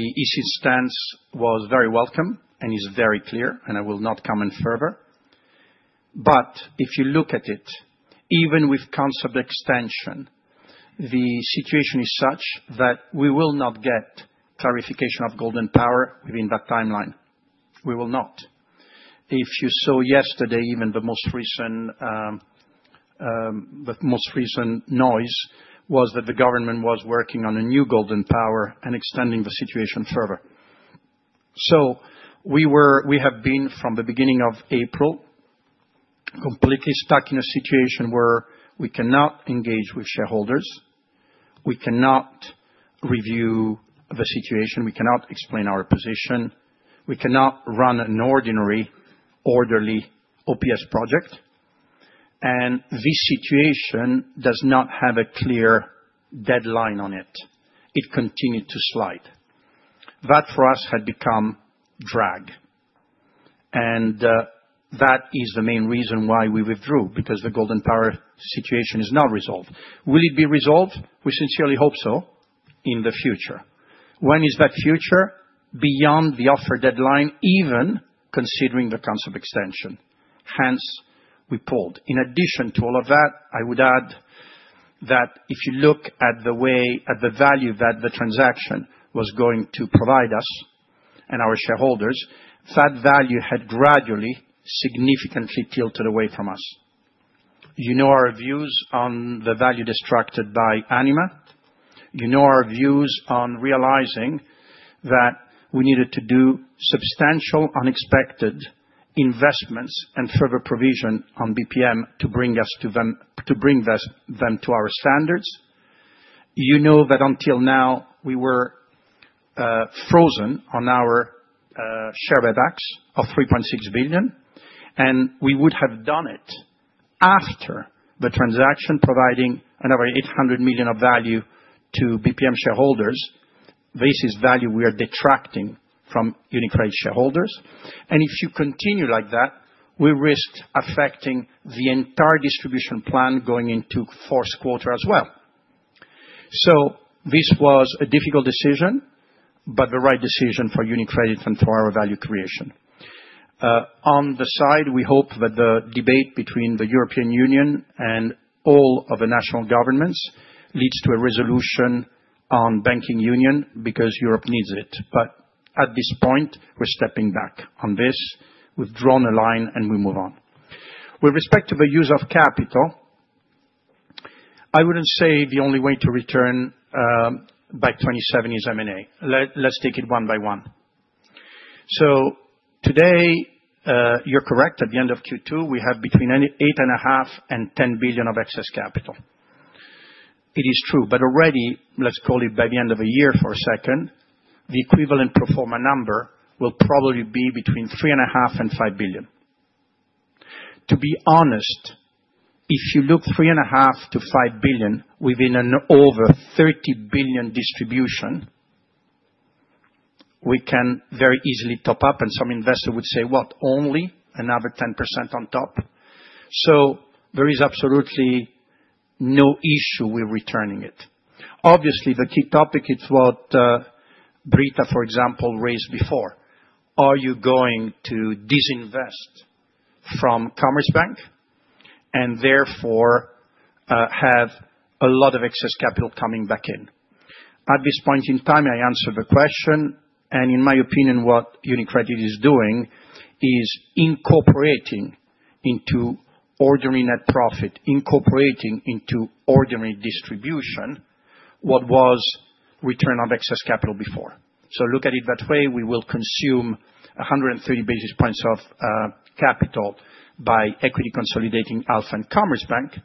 EC stance was very welcome and is very clear, and I will not comment further. If you look at it, even with Consort Extension, the situation is such that we will not get clarification of Golden Power within that timeline. We will not. If you saw yesterday, even the most recent noise was that the government was working on a new Golden Power and extending the situation further. We have been, from the beginning of April, completely stuck in a situation where we cannot engage with shareholders. We cannot review the situation. We cannot explain our position. We cannot run an ordinary, orderly OPS project. This situation does not have a clear deadline on it. It continued to slide. That, for us, had become drag. That is the main reason why we withdrew, because the Golden Power situation is not resolved. Will it be resolved? We sincerely hope so. In the future. When is that future? Beyond the offer deadline, even considering the Concept Extension. Hence, we pulled. In addition to all of that, I would add that if you look at the value that the transaction was going to provide us and our shareholders, that value had gradually, significantly tilted away from us. You know our views on the value destructed by Anima. You know our views on realizing that we needed to do substantial unexpected investments and further provision on Banco BPM to bring us to them to our standards. You know that until now, we were frozen on our share buybacks of $3.6 billion, and we would have done it after the transaction, providing another $800 million of value to Banco BPM shareholders. This is value we are detracting from UniCredit shareholders. If you continue like that, we risked affecting the entire distribution plan going into fourth quarter as well. This was a difficult decision, but the right decision for UniCredit and for our value creation. On the side, we hope that the debate between the European Union and all of the national governments leads to a resolution on banking union because Europe needs it. At this point, we're stepping back on this. We've drawn a line, and we move on. With respect to the use of capital, I would not say the only way to return by 2027 is M&A. Let's take it one by one. Today, you're correct, at the end of Q2, we have between $8.5 billion and $10 billion of excess capital. It is true, but already, let's call it by the end of a year for a second, the equivalent pro-forma number will probably be between $3.5 billion and $5 billion. To be honest, if you look $3.5 billion to $5 billion within an over $30 billion distribution, we can very easily top up, and some investors would say, "What? Only another 10% on top?" There is absolutely no issue with returning it. Obviously, the key topic is what Britta, for example, raised before. Are you going to disinvest from Commerzbank and therefore have a lot of excess capital coming back in? At this point in time, I answered the question, and in my opinion, what UniCredit is doing is incorporating into ordinary net profit, incorporating into ordinary distribution what was return on excess capital before. Look at it that way. We will consume 130 basis points of capital by equity consolidating Alpha Bank and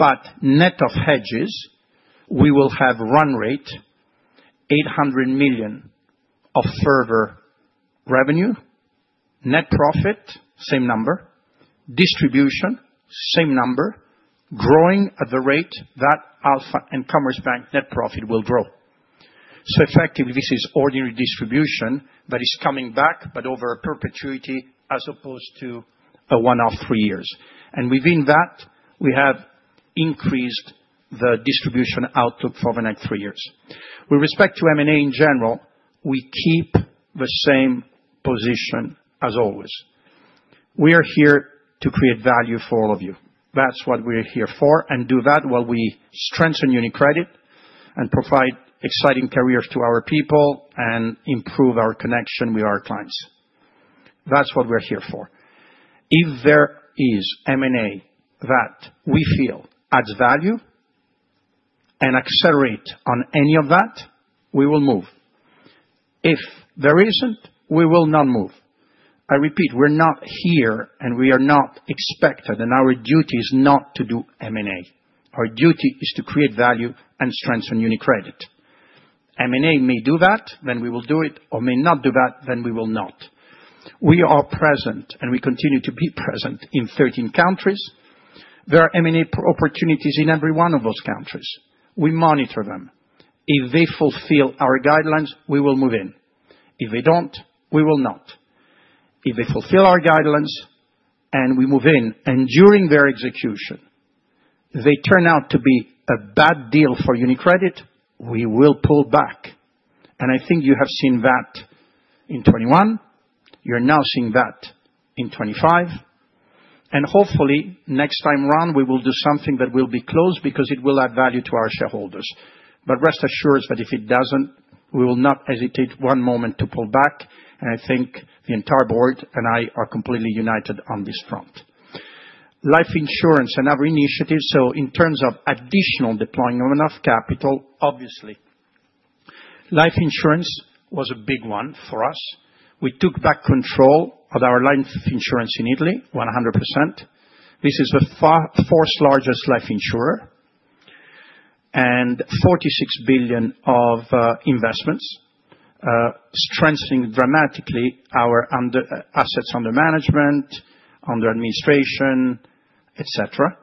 Commerzbank. Net of hedges, we will have run rate $800 million of further revenue, net profit, same number. Distribution, same number, growing at the rate that Alpha and Commerzbank net profit will grow. So effectively, this is ordinary distribution that is coming back, but over a perpetuity as opposed to a one-off three years. And within that, we have increased the distribution outlook for the next three years. With respect to M&A in general, we keep the same position as always. We are here to create value for all of you. That's what we're here for, and do that while we strengthen UniCredit and provide exciting careers to our people and improve our connection with our clients. That's what we're here for. If there is M&A that we feel adds value and accelerates on any of that, we will move. If there isn't, we will not move. I repeat, we're not here, and we are not expected, and our duty is not to do M&A. Our duty is to create value and strengthen UniCredit. M&A may do that, then we will do it, or may not do that, then we will not. We are present, and we continue to be present in 13 countries. There are M&A opportunities in every one of those countries. We monitor them. If they fulfill our guidelines, we will move in. If they don't, we will not. If they fulfill our guidelines and we move in, and during their execution, they turn out to be a bad deal for UniCredit, we will pull back. I think you have seen that. In 2021. You're now seeing that in 2025. Hopefully, next time around, we will do something that will be closed because it will add value to our shareholders. Rest assured that if it doesn't, we will not hesitate one moment to pull back, and I think the entire board and I are completely united on this front. Life insurance and other initiatives, so in terms of additional deploying of enough capital, obviously. Life insurance was a big one for us. We took back control of our life insurance in Italy, 100%. This is the fourth-largest life insurer. And EUR 46 billion of investments, strengthening dramatically our assets under management. Under administration, etc.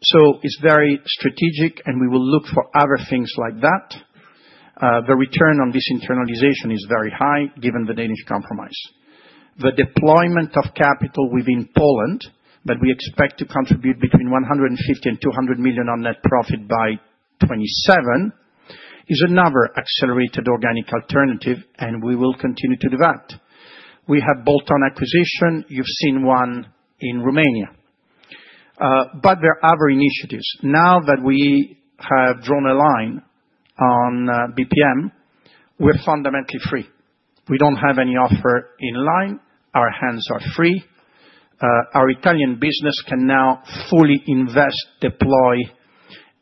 It is very strategic, and we will look for other things like that. The return on this internalization is very high, given the Danish Compromise. The deployment of capital within Poland that we expect to contribute between $150 million and $200 million on net profit by 2027 is another accelerated organic alternative, and we will continue to do that. We have bolt-on acquisition. You've seen one in Romania. There are other initiatives. Now that we have drawn a line on BPM, we're fundamentally free. We don't have any offer in line. Our hands are free. Our Italian business can now fully invest, deploy,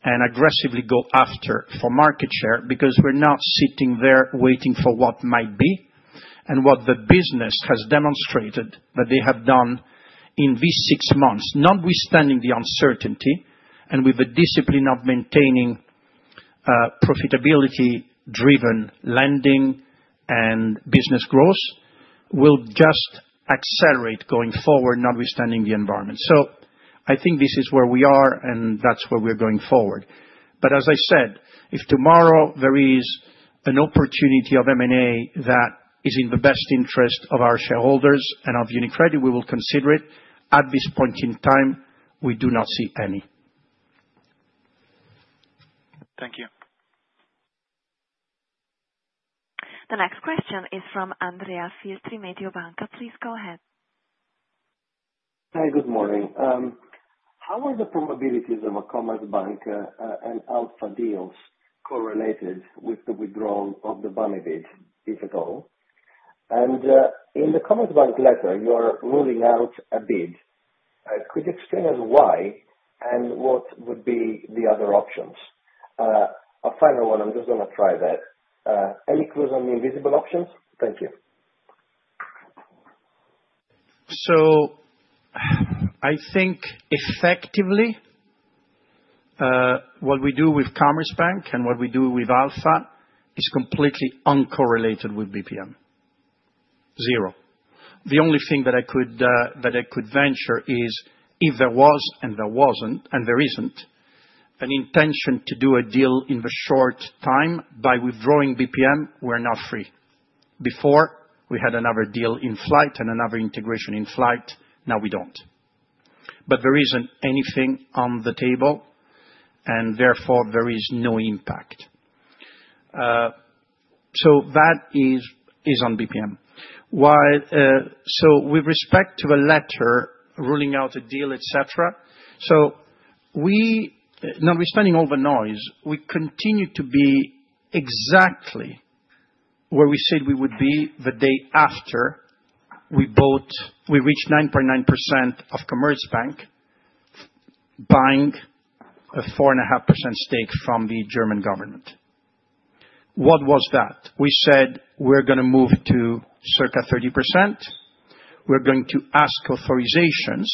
and aggressively go after for market share because we're not sitting there waiting for what might be and what the business has demonstrated that they have done in these six months. Notwithstanding the uncertainty and with the discipline of maintaining profitability-driven lending and business growth, we'll just accelerate going forward, notwithstanding the environment. I think this is where we are, and that's where we're going forward. As I said, if tomorrow there is an opportunity of M&A that is in the best interest of our shareholders and of UniCredit, we will consider it. At this point in time, we do not see any. Thank you. The next question is from Andrea Filtri, Mediobanca. Please go ahead. Hi, good morning. How are the probabilities of a Commerzbank and Alpha deals correlated with the withdrawal of the buying bid, if at all? In the Commerzbank letter, you are ruling out a bid. Could you explain to us why and what would be the other options? A final one, I'm just going to try that. Any clues on the invisible options? Thank you. I think effectively what we do with Commerzbank and what we do with Alpha is completely uncorrelated with BPM. Zero. The only thing that I could venture is if there was and there wasn't and there isn't an intention to do a deal in the short time by withdrawing BPM, we're now free. Before, we had another deal in flight and another integration in flight. Now we don't. There isn't anything on the table, and therefore, there is no impact. That is on BPM. With respect to a letter ruling out a deal, etc., notwithstanding all the noise, we continue to be exactly where we said we would be the day after we reached 9.9% of Commerzbank, buying a 4.5% stake from the German government. What was that? We said we're going to move to circa 30%. We're going to ask authorizations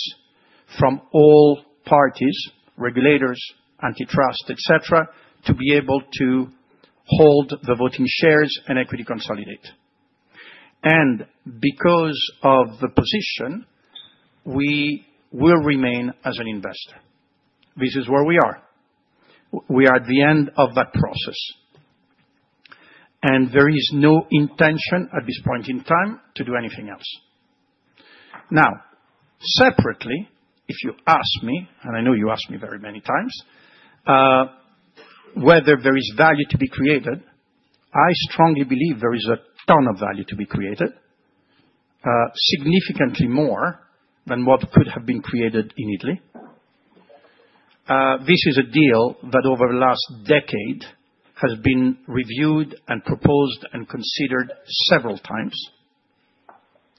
from all parties, regulators, antitrust, etc., to be able to hold the voting shares and equity consolidate. Because of the position, we will remain as an investor. This is where we are. We are at the end of that process, and there is no intention at this point in time to do anything else. Now, separately, if you ask me, and I know you ask me very many times, whether there is value to be created, I strongly believe there is a ton of value to be created, significantly more than what could have been created in Italy. This is a deal that over the last decade has been reviewed and proposed and considered several times.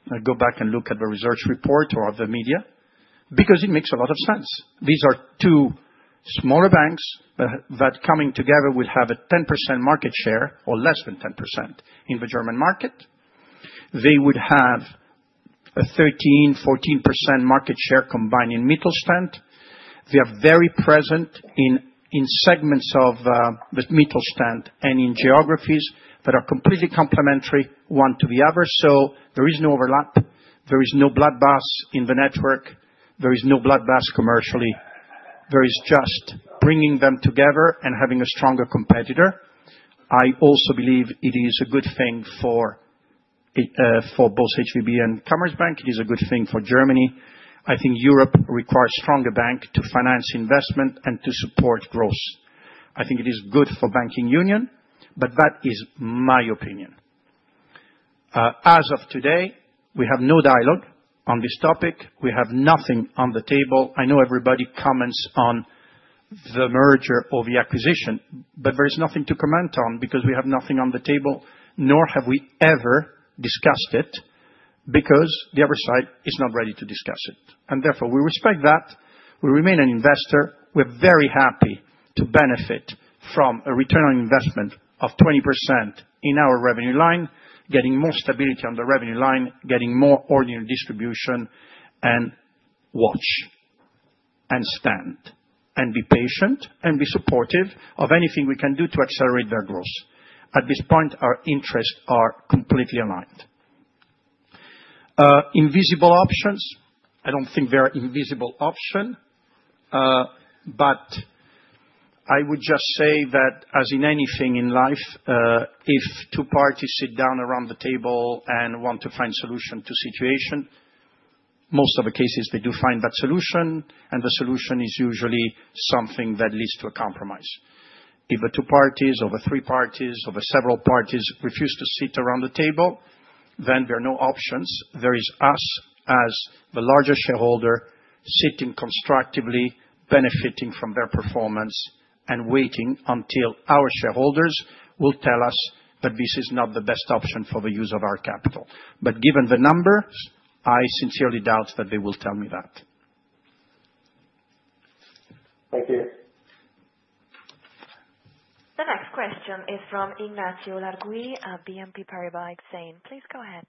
I go back and look at the research report or the media because it makes a lot of sense. These are two smaller banks that coming together will have a 10% market share or less than 10% in the German market. They would have a 13-14% market share combined in Mittelstand. They are very present in segments of the Mittelstand and in geographies that are completely complementary one to the other. There is no overlap. There is no bloodbath in the network. There is no bloodbath commercially. There is just bringing them together and having a stronger competitor. I also believe it is a good thing for both HVB and Commerzbank. It is a good thing for Germany. I think Europe requires stronger banks to finance investment and to support growth. I think it is good for banking union, but that is my opinion. As of today, we have no dialogue on this topic. We have nothing on the table. I know everybody comments on the merger or the acquisition, but there is nothing to comment on because we have nothing on the table, nor have we ever discussed it because the other side is not ready to discuss it. Therefore, we respect that. We remain an investor. We're very happy to benefit from a return on investment of 20% in our revenue line, getting more stability on the revenue line, getting more ordinary distribution, and watch and stand and be patient and be supportive of anything we can do to accelerate their growth. At this point, our interests are completely aligned. Invisible options? I do not think there are invisible options. I would just say that, as in anything in life, if two parties sit down around the table and want to find a solution to a situation, most of the cases, they do find that solution, and the solution is usually something that leads to a compromise. If the two parties or the three parties or the several parties refuse to sit around the table, then there are no options. There is us as the larger shareholder sitting constructively, benefiting from their performance and waiting until our shareholders will tell us that this is not the best option for the use of our capital. Given the numbers, I sincerely doubt that they will tell me that. Thank you. The next question is from Ignacio Largui, BNP Paribas Hussein. Please go ahead.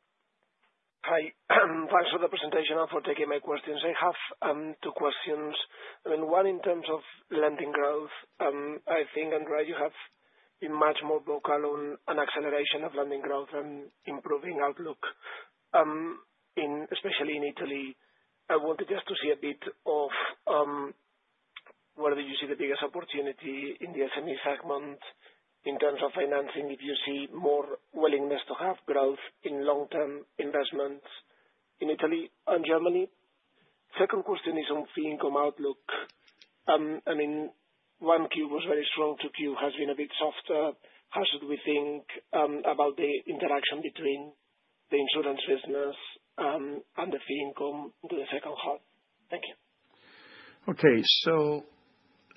Hi. Thanks for the presentation. I'll take my questions. I have two questions. One in terms of lending growth. I think, Andrea, you have been much more vocal on an acceleration of lending growth and improving outlook, especially in Italy. I wanted just to see a bit of where did you see the biggest opportunity in the SME segment in terms of financing, if you see more willingness to have growth in long-term investments in Italy and Germany. Second question is on fee-income outlook. I mean, one Q was very strong. Two Q has been a bit softer. How should we think about the interaction between the insurance business and the fee-income into the second half? Thank you. Okay.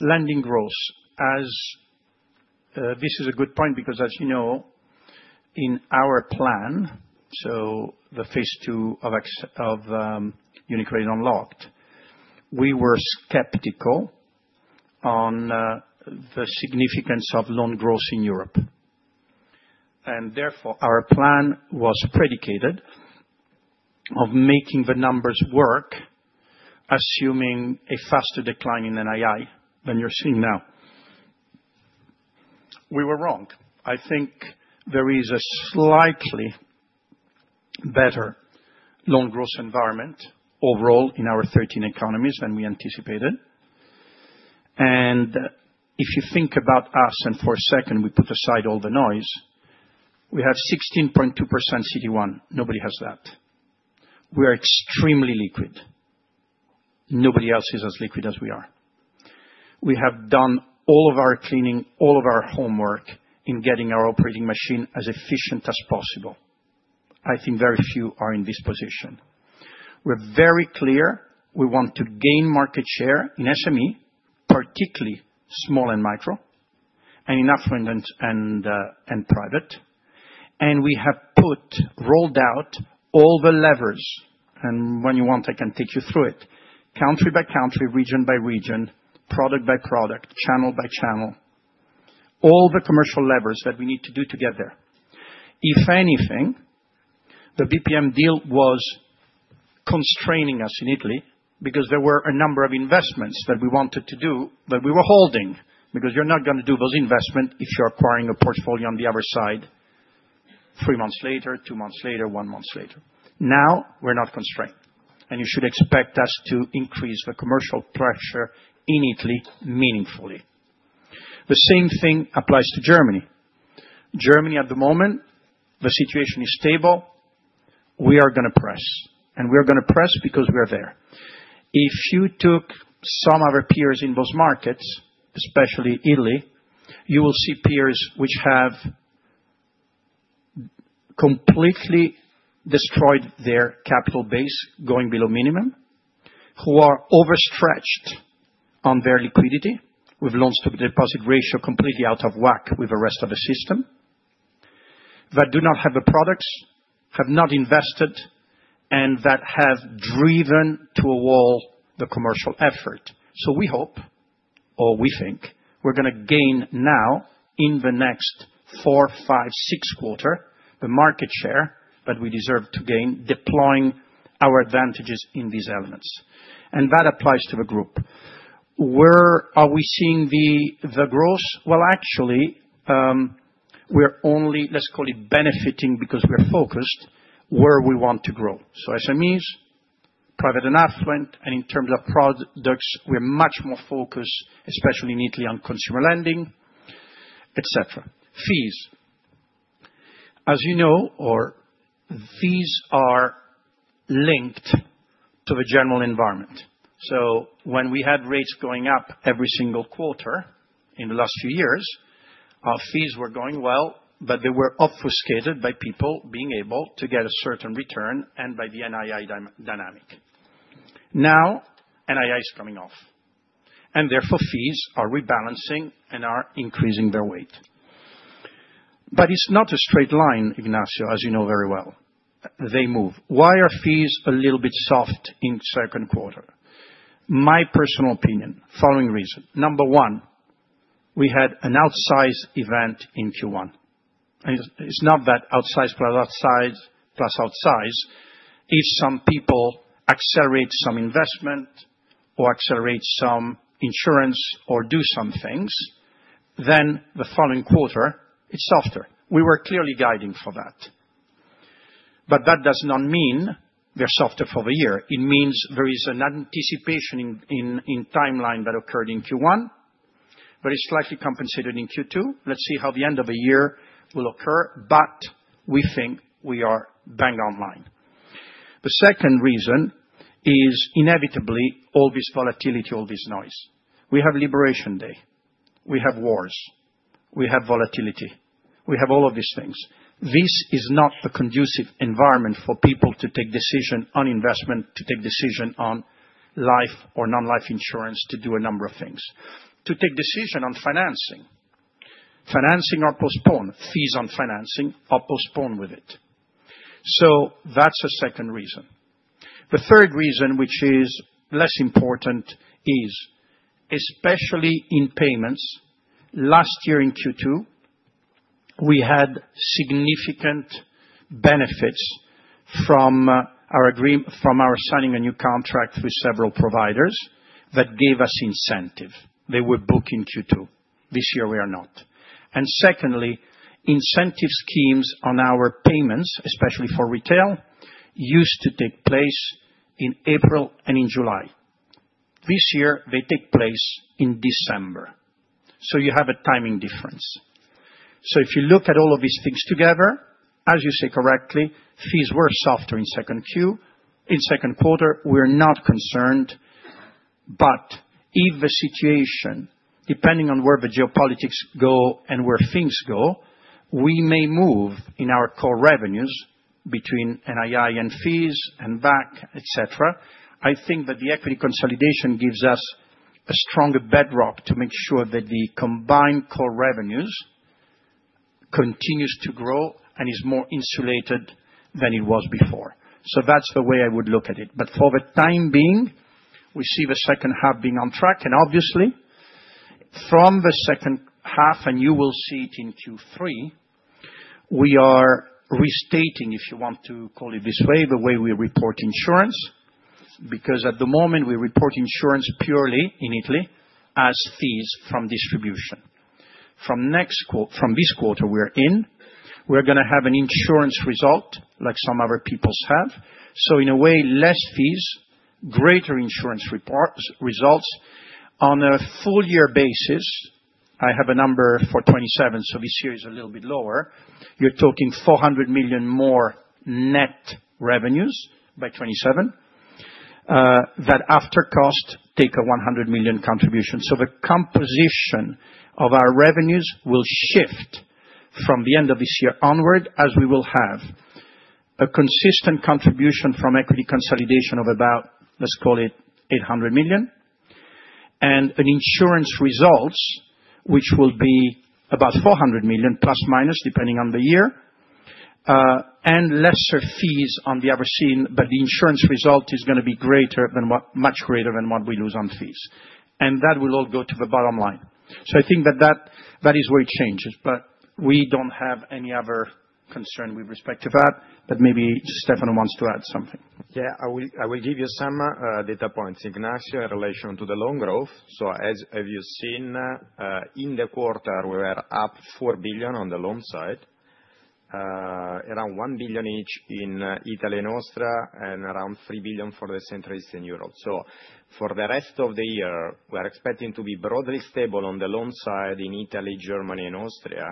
Lending growth. This is a good point because, as you know, in our plan, the phase two of UniCredit Unlocked, we were skeptical on the significance of loan growth in Europe. Therefore, our plan was predicated on making the numbers work, assuming a faster decline in NII than you're seeing now. We were wrong. I think there is a slightly better loan growth environment overall in our 13 economies than we anticipated. If you think about us, and for a second, we put aside all the noise, we have 16.2% CET1. Nobody has that. We are extremely liquid. Nobody else is as liquid as we are. We have done all of our cleaning, all of our homework in getting our operating machine as efficient as possible. I think very few are in this position. We are very clear we want to gain market share in SME, particularly small and micro, and in affluent and private. We have rolled out all the levers. When you want, I can take you through it. Country by country, region by region, product by product, channel by channel. All the commercial levers that we need to do to get there. If anything, the BPM deal was constraining us in Italy because there were a number of investments that we wanted to do that we were holding because you are not going to do those investments if you are acquiring a portfolio on the other side. Three months later, two months later, one month later. Now we are not constrained. You should expect us to increase the commercial pressure in Italy meaningfully. The same thing applies to Germany. Germany, at the moment, the situation is stable. We are going to press. We are going to press because we are there. If you took some of our peers in those markets, especially Italy, you will see peers which have completely destroyed their capital base going below minimum, who are overstretched on their liquidity with loan-to-deposit ratio completely out of whack with the rest of the system. That do not have the products, have not invested, and that have driven to a wall the commercial effort. We hope, or we think, we are going to gain now in the next four, five, six quarters the market share that we deserve to gain deploying our advantages in these elements. That applies to the group. Where are we seeing the growth? Actually, we are only, let's call it, benefiting because we are focused where we want to grow. SMEs, private and affluent, and in terms of products, we are much more focused, especially in Italy, on consumer lending etc, Fees, as you know, or these are linked to the general environment. When we had rates going up every single quarter in the last few years, our fees were going well, but they were obfuscated by people being able to get a certain return and by the NII dynamic. Now NII is coming off. Therefore, fees are rebalancing and are increasing their weight. It is not a straight line, Ignacio, as you know very well. They move. Why are fees a little bit soft in the second quarter? My personal opinion, following reason. Number one, we had an outsized event in Q1. It is not that outsized plus outsized plus outsized. If some people accelerate some investment or accelerate some insurance or do some things, then the following quarter, it's softer. We were clearly guiding for that. That does not mean they're softer for the year. It means there is an anticipation in timeline that occurred in Q1. It's slightly compensated in Q2. Let's see how the end of the year will occur, but we think we are bang online. The second reason is inevitably all this volatility, all this noise. We have Liberation Day. We have wars. We have volatility. We have all of these things. This is not a conducive environment for people to take decision on investment, to take decision on life or non-life insurance, to do a number of things. To take decision on financing. Financing or postpone. Fees on financing or postpone with it. That's a second reason. The third reason, which is less important, is especially in payments. Last year in Q2, we had significant benefits from our signing a new contract with several providers that gave us incentive. They were booked in Q2. This year, we are not. Secondly, incentive schemes on our payments, especially for retail, used to take place in April and in July. This year, they take place in December. You have a timing difference. If you look at all of these things together, as you say correctly, fees were softer in second quarter. We're not concerned. If the situation, depending on where the geopolitics go and where things go, we may move in our core revenues between NII and fees and back, etc., I think that the equity consolidation gives us a stronger bedrock to make sure that the combined core revenues continue to grow and is more insulated than it was before. That's the way I would look at it. For the time being, we see the second half being on track. Obviously, from the second half, and you will see it in Q3, we are restating, if you want to call it this way, the way we report insurance. At the moment, we report insurance purely in Italy as fees from distribution. From this quarter we're in, we're going to have an insurance result like some other people have. In a way, less fees, greater insurance results. On a full-year basis, I have a number for 2027, so this year is a little bit lower. You're talking 400 million more net revenues by 2027. That after cost take a 100 million contribution. The composition of our revenues will shift from the end of this year onward as we will have a consistent contribution from equity consolidation of about, let's call it, 800 million. An insurance result, which will be about 400 million plus minus depending on the year. Lesser fees on the other scene, but the insurance result is going to be much greater than what we lose on fees. That will all go to the bottom line. I think that that is where it changes. We do not have any other concern with respect to that. Maybe Stefano wants to add something. Yeah, I will give you some data points, Ignacio, in relation to the loan growth. As you have seen, in the quarter, we were up 4 billion on the loan side. Around 1 billion each in Italy and Austria, and around 3 billion for the Central Eastern Europe. For the rest of the year, we are expecting to be broadly stable on the loan side in Italy, Germany, and Austria,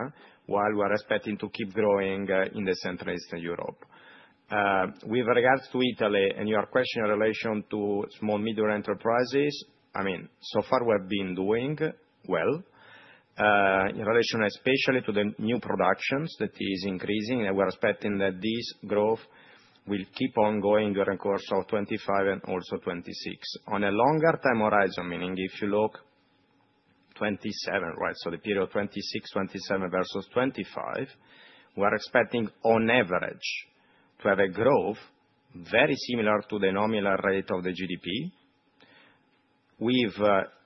while we are expecting to keep growing in the Central Eastern Europe. With regards to Italy and your question in relation to small-middle enterprises, I mean, so far, we have been doing well, in relation especially to the new productions that is increasing. We are expecting that this growth will keep on going during the course of 2025 and also 2026. On a longer time horizon, meaning if you look at 2027, right, so the period 2026-2027 versus 2025, we are expecting on average to have a growth very similar to the nominal rate of the GDP. With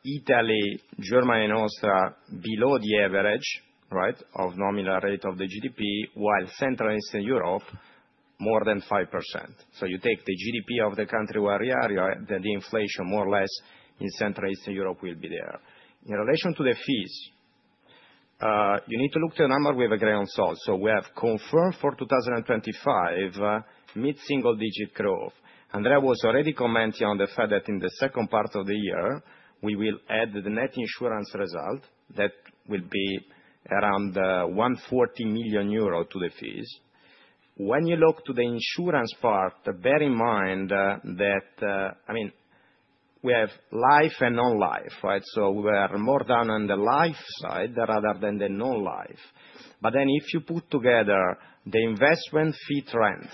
Italy, Germany, and Austria below the average of nominal rate of the GDP, while Central Eastern Europe, more than 5%. You take the GDP of the country where we are, the inflation more or less in Central Eastern Europe will be there. In relation to the fees, you need to look to the number with a grain of salt. We have confirmed for 2025 mid-single-digit growth. Andrea was already commenting on the fact that in the second part of the year, we will add the net insurance result that will be around 140 million euro to the fees. When you look to the insurance part, bear in mind that, I mean, we have life and non-life, right? We are more down on the life side rather than the non-life. If you put together the investment fee trend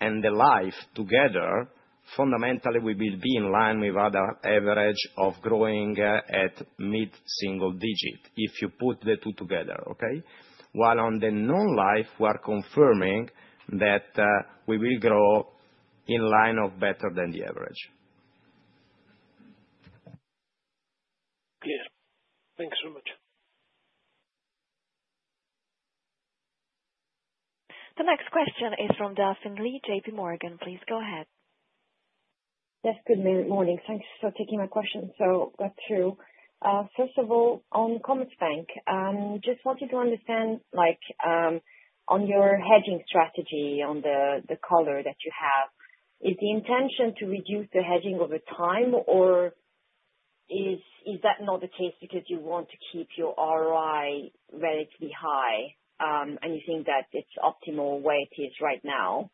and the life together, fundamentally, we will be in line with our average of growing at mid-single digit if you put the two together, okay? While on the non-life, we are confirming that we will grow in line or better than the average. The next question is from Dafin Lee, J.P. Morgan. Please go ahead. Yes, good morning. Thanks for taking my question. Got through. First of all, on Commerzbank, just wanted to understand, on your hedging strategy, on the color that you have, is the intention to reduce the hedging over time, or is that not the case because you want to keep your ROI relatively high and you think that it is optimal where it is right now?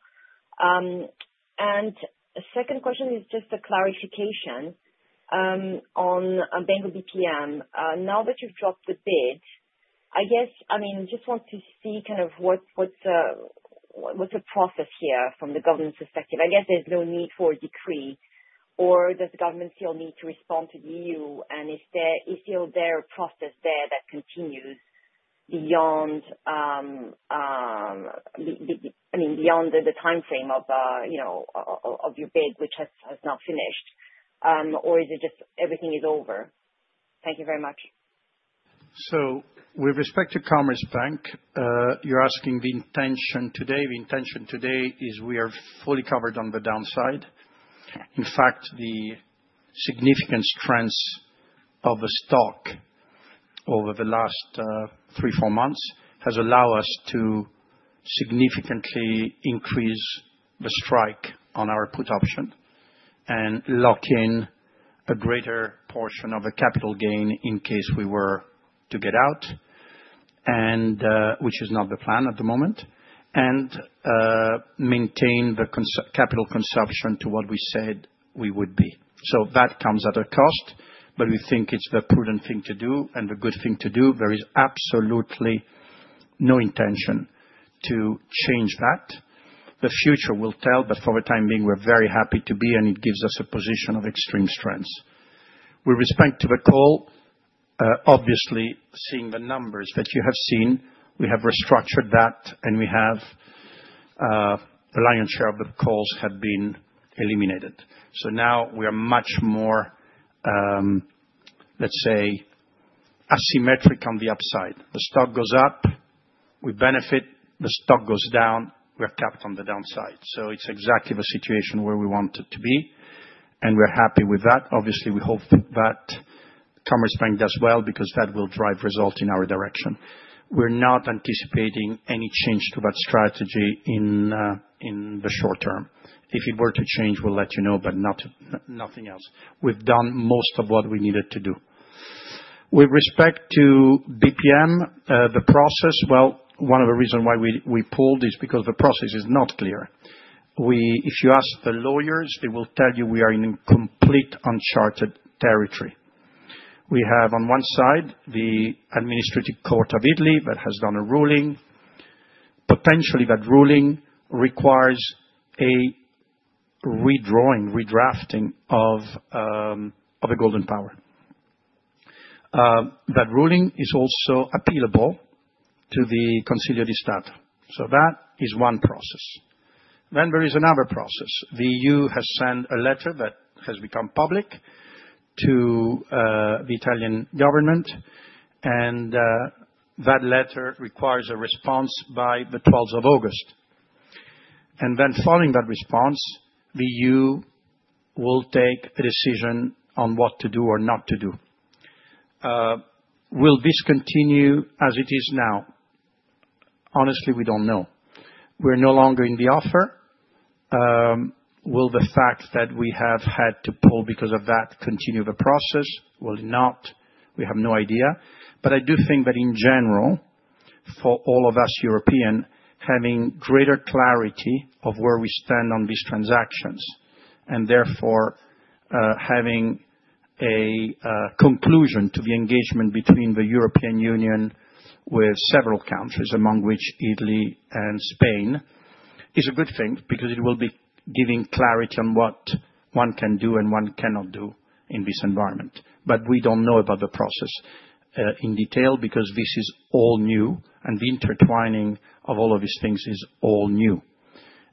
The second question is just a clarification. On Banco BPM, now that you have dropped the bid, I guess, I mean, just want to see kind of what is. The process here from the government's perspective. I guess there's no need for a decree, or does the government still need to respond to the EU? Is there a process there that continues beyond, I mean, beyond the timeframe of your bid, which has not finished? Or is it just everything is over? Thank you very much. With respect to Commerzbank, you're asking the intention today. The intention today is we are fully covered on the downside. In fact, the significant strength of the stock over the last three, four months has allowed us to significantly increase the strike on our put option and lock in a greater portion of the capital gain in case we were to get out, which is not the plan at the moment, and maintain the capital consumption to what we said we would be. That comes at a cost, but we think it's the prudent thing to do and the good thing to do. There is absolutely no intention to change that. The future will tell, but for the time being, we're very happy to be, and it gives us a position of extreme strength. With respect to the call, obviously seeing the numbers that you have seen, we have restructured that, and we have, the lion's share of the calls have been eliminated. Now we are much more, let's say, asymmetric on the upside. The stock goes up, we benefit. The stock goes down, we're capped on the downside. It's exactly the situation where we want it to be, and we're happy with that. Obviously, we hope that Commerzbank does well because that will drive results in our direction. We're not anticipating any change to that strategy in the short term. If it were to change, we'll let you know, but nothing else. We've done most of what we needed to do. With respect to BPM, the process, one of the reasons why we pulled is because the process is not clear. If you ask the lawyers, they will tell you we are in complete uncharted territory. We have, on one side, the administrative court of Italy that has done a ruling. Potentially that ruling requires a redrawing, redrafting of a golden power. That ruling is also appealable to the conciliary state. That is one process. Then there is another process. The EU has sent a letter that has become public to the Italian government. That letter requires a response by the 12th of August. Following that response, the EU will take a decision on what to do or not to do. Will this continue as it is now? Honestly, we don't know. We're no longer in the offer. Will the fact that we have had to pull because of that continue the process? Will it not? We have no idea. But I do think that in general, for all of us European, having greater clarity of where we stand on these transactions, and therefore having a conclusion to the engagement between the European Union with several countries, among which Italy and Spain, is a good thing because it will be giving clarity on what one can do and one cannot do in this environment. We do not know about the process in detail because this is all new, and the intertwining of all of these things is all new.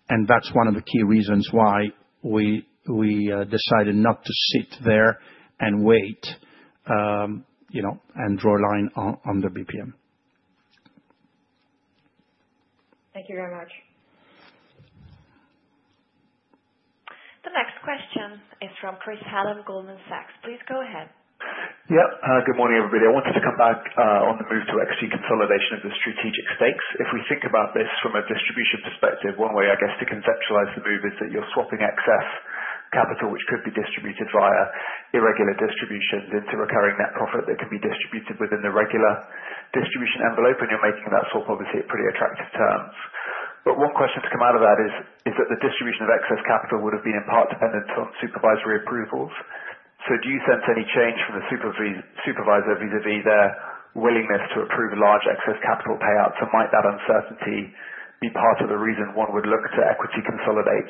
That is one of the key reasons why we decided not to sit there and wait and draw a line on the BPM. Thank you very much. The next question is from Chris Hallam, Goldman Sachs. Please go ahead. Yeah. Good morning, everybody. I wanted to come back on the move to exit consolidation of the strategic stakes. If we think about this from a distribution perspective, one way, I guess, to conceptualize the move is that you are swapping excess capital, which could be distributed via irregular distributions, into recurring net profit that can be distributed within the regular distribution envelope, and you are making that swap obviously at pretty attractive terms. One question to come out of that is that the distribution of excess capital would have been in part dependent on supervisory approvals. Do you sense any change from the supervisor vis-à-vis their willingness to approve large excess capital payouts? Might that uncertainty be part of the reason one would look to equity consolidate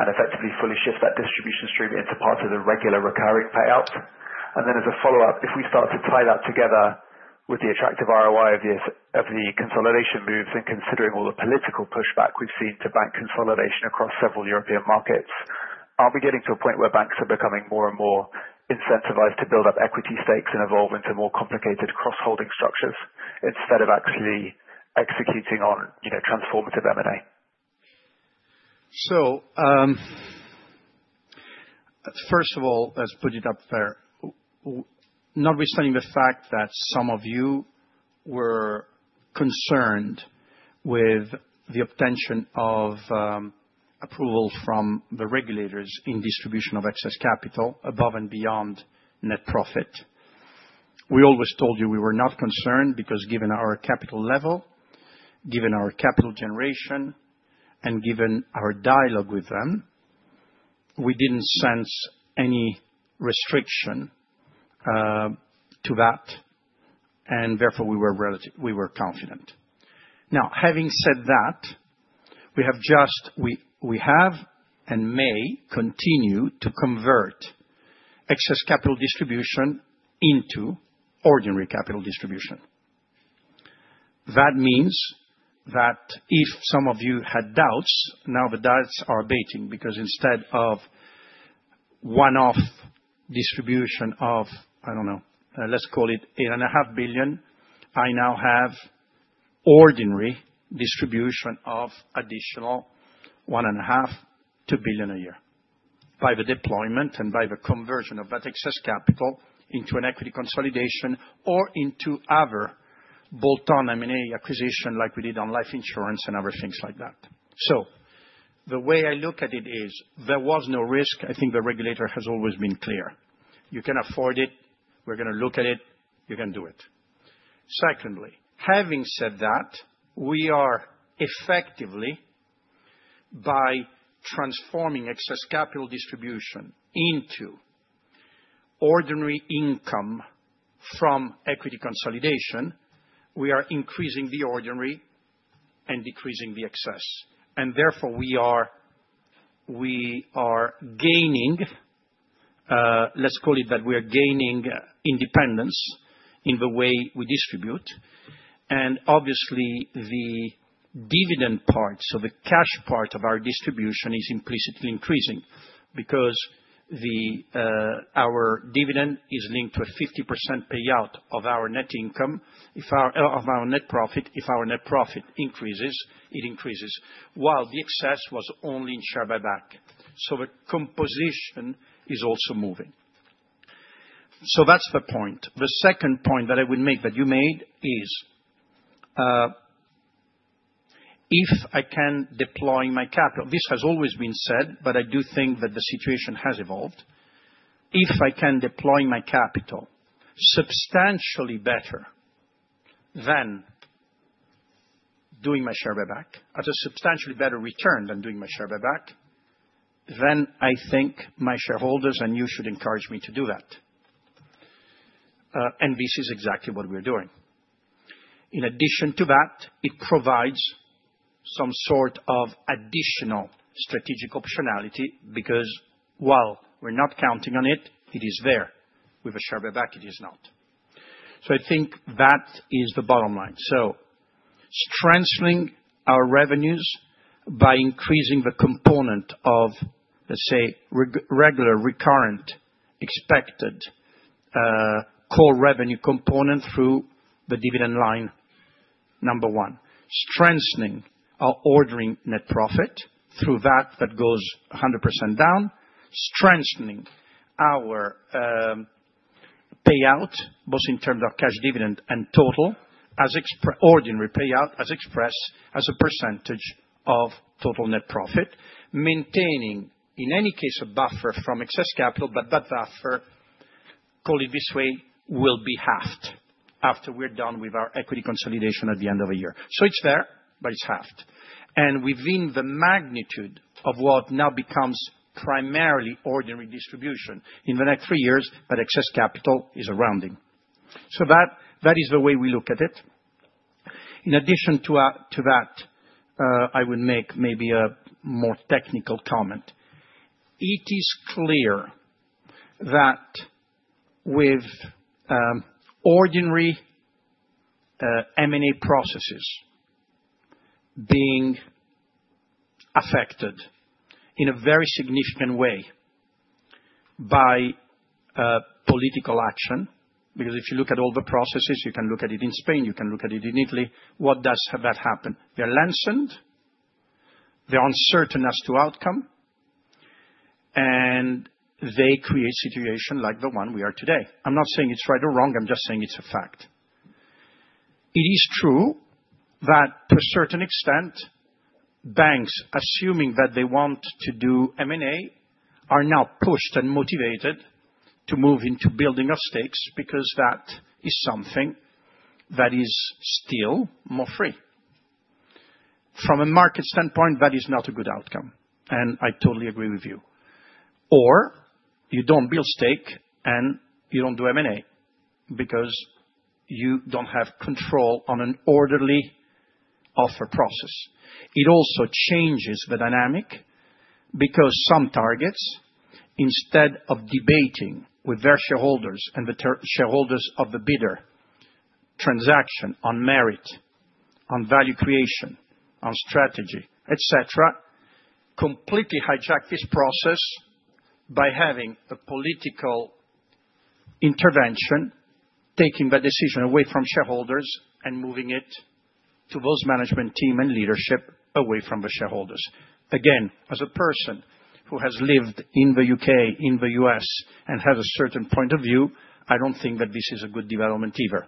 and effectively fully shift that distribution stream into part of the regular recurring payouts? As a follow-up, if we start to tie that together with the attractive ROI of the consolidation moves and considering all the political pushback we have seen to bank consolidation across several European markets, are we getting to a point where banks are becoming more and more incentivized to build up equity stakes and evolve into more complicated cross-holding structures instead of actually executing on transformative M&A? First of all, let us put it up there. Notwithstanding the fact that some of you were concerned with the obtention of approvals from the regulators in distribution of excess capital above and beyond net profit, we always told you we were not concerned because given our capital level, given our capital generation, and given our dialogue with them, we did not sense any restriction to that. Therefore, we were confident. Now, having said that, we have just, and may continue to, convert excess capital distribution into ordinary capital distribution. That means that if some of you had doubts, now the doubts are abating because instead of one-off distribution of, I do not know, let us call it 8.5 billion, I now have ordinary distribution of additional 1.5-2 billion a year by the deployment and by the conversion of that excess capital into an equity consolidation or into other. Bolt-on M&A acquisition like we did on life insurance and other things like that. The way I look at it is there was no risk. I think the regulator has always been clear. You can afford it. We're going to look at it. You can do it. Secondly, having said that, we are effectively, by transforming excess capital distribution into ordinary income from equity consolidation, increasing the ordinary and decreasing the excess. Therefore, we are gaining—let's call it that—we are gaining independence in the way we distribute. Obviously, the dividend part, so the cash part of our distribution, is implicitly increasing because our dividend is linked to a 50% payout of our net income, of our net profit. If our net profit increases, it increases, while the excess was only in share buyback. The composition is also moving. That is the point. The second point that I would make that you made is, if I can deploy my capital—this has always been said, but I do think that the situation has evolved—if I can deploy my capital substantially better than doing my share buyback, at a substantially better return than doing my share buyback, then I think my shareholders and you should encourage me to do that. This is exactly what we're doing. In addition to that, it provides some sort of additional strategic optionality because while we're not counting on it, it is there. With a share buyback, it is not. I think that is the bottom line. Strengthening our revenues by increasing the component of, let's say, regular recurrent expected core revenue component through the dividend line, number one. Strengthening our ordering net profit through that that goes 100% down. Strengthening our payout, both in terms of cash dividend and total ordinary payout as expressed as a percentage of total net profit, maintaining, in any case, a buffer from excess capital, but that buffer—call it this way—will be halved after we're done with our equity consolidation at the end of a year. It's there, but it's halved. Within the magnitude of what now becomes primarily ordinary distribution in the next three years, that excess capital is a rounding. That is the way we look at it. In addition to that, I would make maybe a more technical comment. It is clear that with ordinary M&A processes being affected in a very significant way by political action, because if you look at all the processes, you can look at it in Spain, you can look at it in Italy, what does have that happen? They're lessened. They're uncertain as to outcome. They create a situation like the one we are today. I'm not saying it's right or wrong. I'm just saying it's a fact. It is true that to a certain extent. Banks, assuming that they want to do M&A, are now pushed and motivated to move into building of stakes because that is something that is still more free. From a market standpoint, that is not a good outcome. I totally agree with you. Or you do not build stake and you do not do M&A because you do not have control on an orderly offer process. It also changes the dynamic because some targets, instead of debating with their shareholders and the shareholders of the bidder transaction on merit, on value creation, on strategy, etc., completely hijack this process by having a political intervention, taking that decision away from shareholders and moving it to both management team and leadership away from the shareholders. Again, as a person who has lived in the U.K., in the U.S., and has a certain point of view, I do not think that this is a good development either.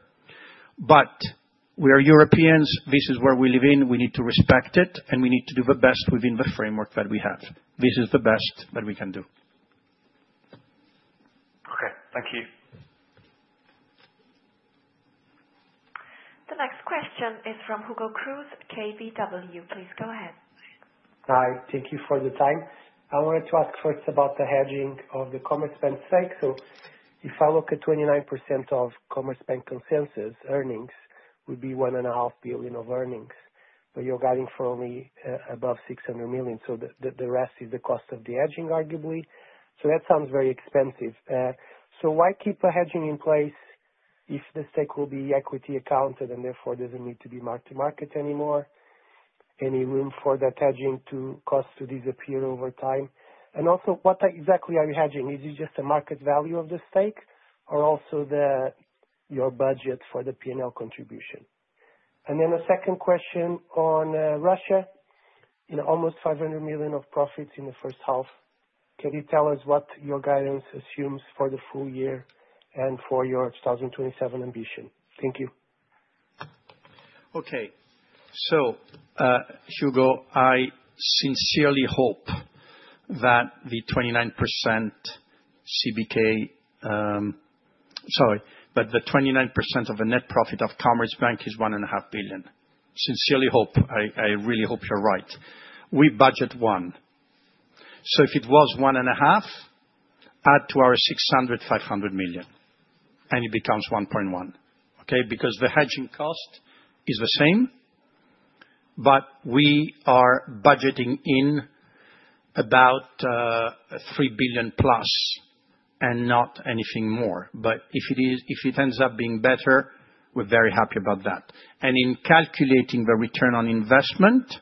We are Europeans. This is where we live in. We need to respect it, and we need to do the best within the framework that we have. This is the best that we can do. Okay. Thank you. The next question is from Hugo Cruz, KBW. Please go ahead. Hi. Thank you for the time. I wanted to ask first about the hedging of the Commerzbank stake. If I look at 29% of Commerzbank consensus earnings, it would be 1.5 billion of earnings. You are guiding for only above 600 million. The rest is the cost of the hedging, arguably. That sounds very expensive. Why keep a hedging in place if the stake will be equity accounted and therefore does not need to be marked to market anymore? Any room for that hedging cost to disappear over time? Also, what exactly are you hedging? Is it just the market value of the stake or also your budget for the P&L contribution? The second question on Russia. Almost 500 million of profits in the first half. Can you tell us what your guidance assumes for the full year and for your 2027 ambition? Thank you. Okay. Hugo, I sincerely hope that the 29% CBK, sorry, but the 29% of net profit of Commerzbank is 1.5 billion. Sincerely hope. I really hope you are right. We budget one. If it was 1.5 billion, add to our 600 million, 500 million, and it becomes 1.1 billion. Okay? The hedging cost is the same, but we are budgeting in about 3 billion plus and not anything more. If it ends up being better, we are very happy about that. In calculating the return on investment,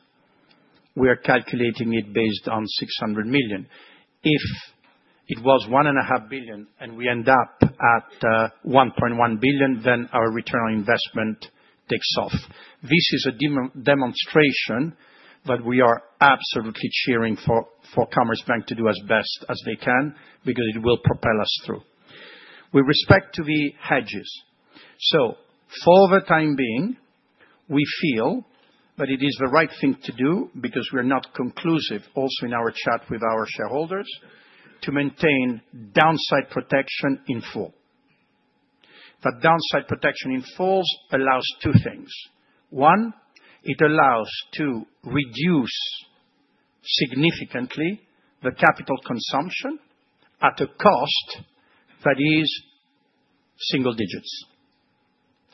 we are calculating it based on 600 million. If it was 1.5 billion and we end up at 1.1 billion, then our return on investment takes off. This is a demonstration that we are absolutely cheering for Commerzbank to do as best as they can because it will propel us through. With respect to the hedges, for the time being, we feel that it is the right thing to do because we are not conclusive also in our chat with our shareholders to maintain downside protection in full. That downside protection in full allows two things. One, it allows to reduce significantly the capital consumption at a cost that is single digits.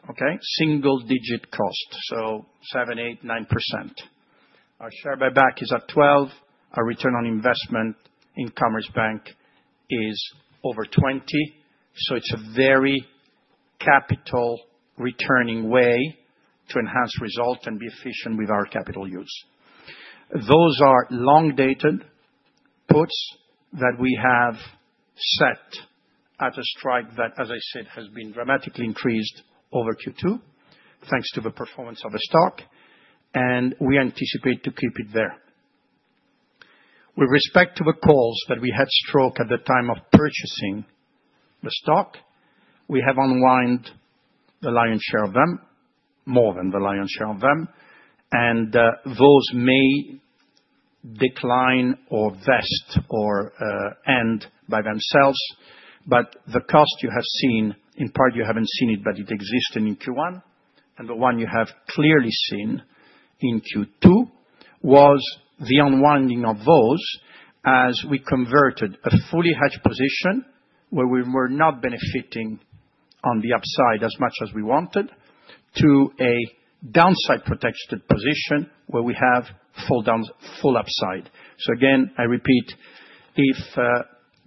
Okay? Single digit cost, so 7%, 8%, 9%. Our share buyback is at 12%. Our return on investment in Commerzbank is over 20%. It is a very capital-returning way to enhance results and be efficient with our capital use. Those are long-dated puts that we have set at a strike that, as I said, has been dramatically increased over Q2 thanks to the performance of the stock. We anticipate to keep it there. With respect to the calls that we had struck at the time of purchasing the stock, we have unwound the lion's share of them, more than the lion's share of them. Those may decline or vest or end by themselves. The cost you have seen, in part, you have not seen it, but it existed in Q1. The one you have clearly seen in Q2 was the unwinding of those as we converted a fully hedged position where we were not benefiting on the upside as much as we wanted to a downside protected position where we have full upside. Again, I repeat, if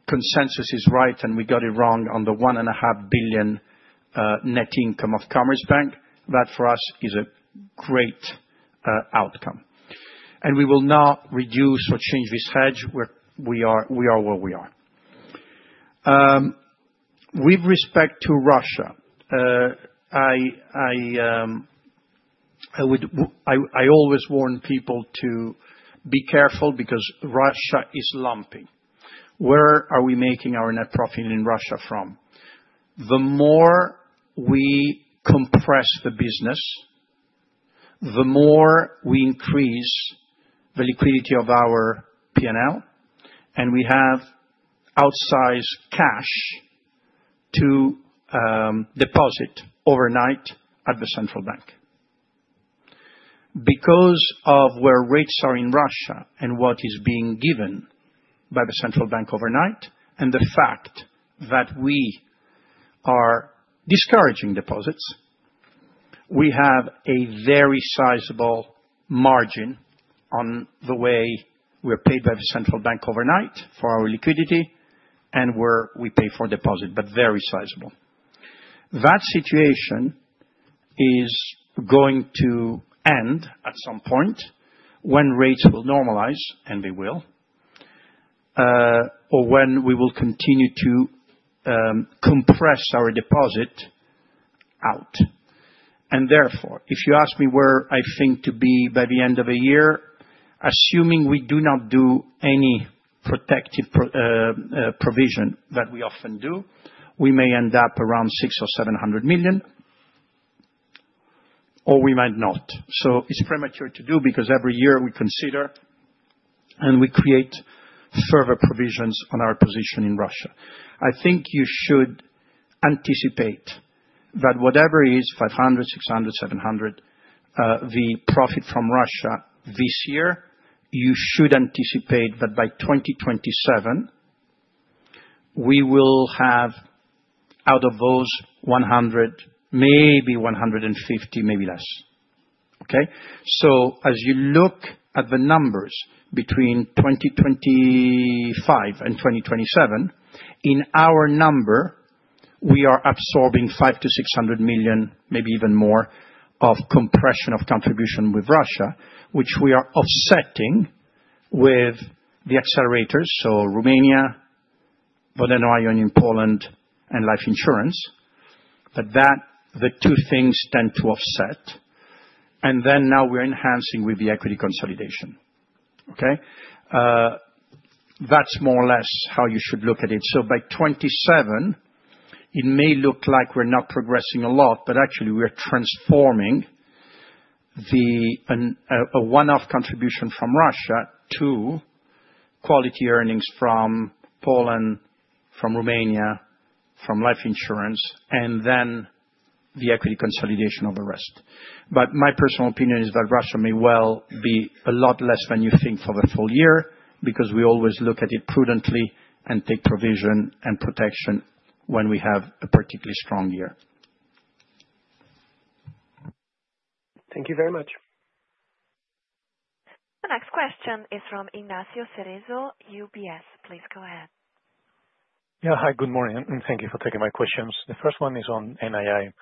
consensus is right and we got it wrong on the one and a half billion net income of Commerzbank, that for us is a great outcome. We will not reduce or change this hedge. We are where we are. With respect to Russia, I always warn people to be careful because Russia is lumpy. Where are we making our net profit in Russia from? The more we compress the business, the more we increase the liquidity of our P&L, and we have outsized cash to deposit overnight at the central bank. Because of where rates are in Russia and what is being given by the central bank overnight, and the fact that we are discouraging deposits, we have a very sizable margin on the way we are paid by the central bank overnight for our liquidity and where we pay for deposit, but very sizable. That situation is going to end at some point when rates will normalize, and they will, or when we will continue to compress our deposit out. Therefore, if you ask me where I think to be by the end of the year, assuming we do not do any protective provision that we often do, we may end up around 600 million-700 million, or we might not. It is premature to do because every year we consider. We create further provisions on our position in Russia. I think you should anticipate that whatever is 500, 600, 700, the profit from Russia this year, you should anticipate that by 2027 we will have out of those 100, maybe 150, maybe less. Okay? As you look at the numbers between 2025 and 2027, in our number, we are absorbing 500-600 million, maybe even more, of compression of contribution with Russia, which we are offsetting with the accelerators, so Romania, Bodenrayon in Poland, and life insurance. The two things tend to offset. Now we are enhancing with the equity consolidation. Okay? That is more or less how you should look at it. By 2027, it may look like we are not progressing a lot, but actually, we are transforming a one-off contribution from Russia to quality earnings from Poland, from Romania, from life insurance, and then the equity consolidation of the rest. My personal opinion is that Russia may well be a lot less than you think for the full year because we always look at it prudently and take provision and protection when we have a particularly strong year. Thank you very much. The next question is from Ignacio Cerezo, UBS. Please go ahead. Yeah. Hi. Good morning. Thank you for taking my questions. The first one is on NII.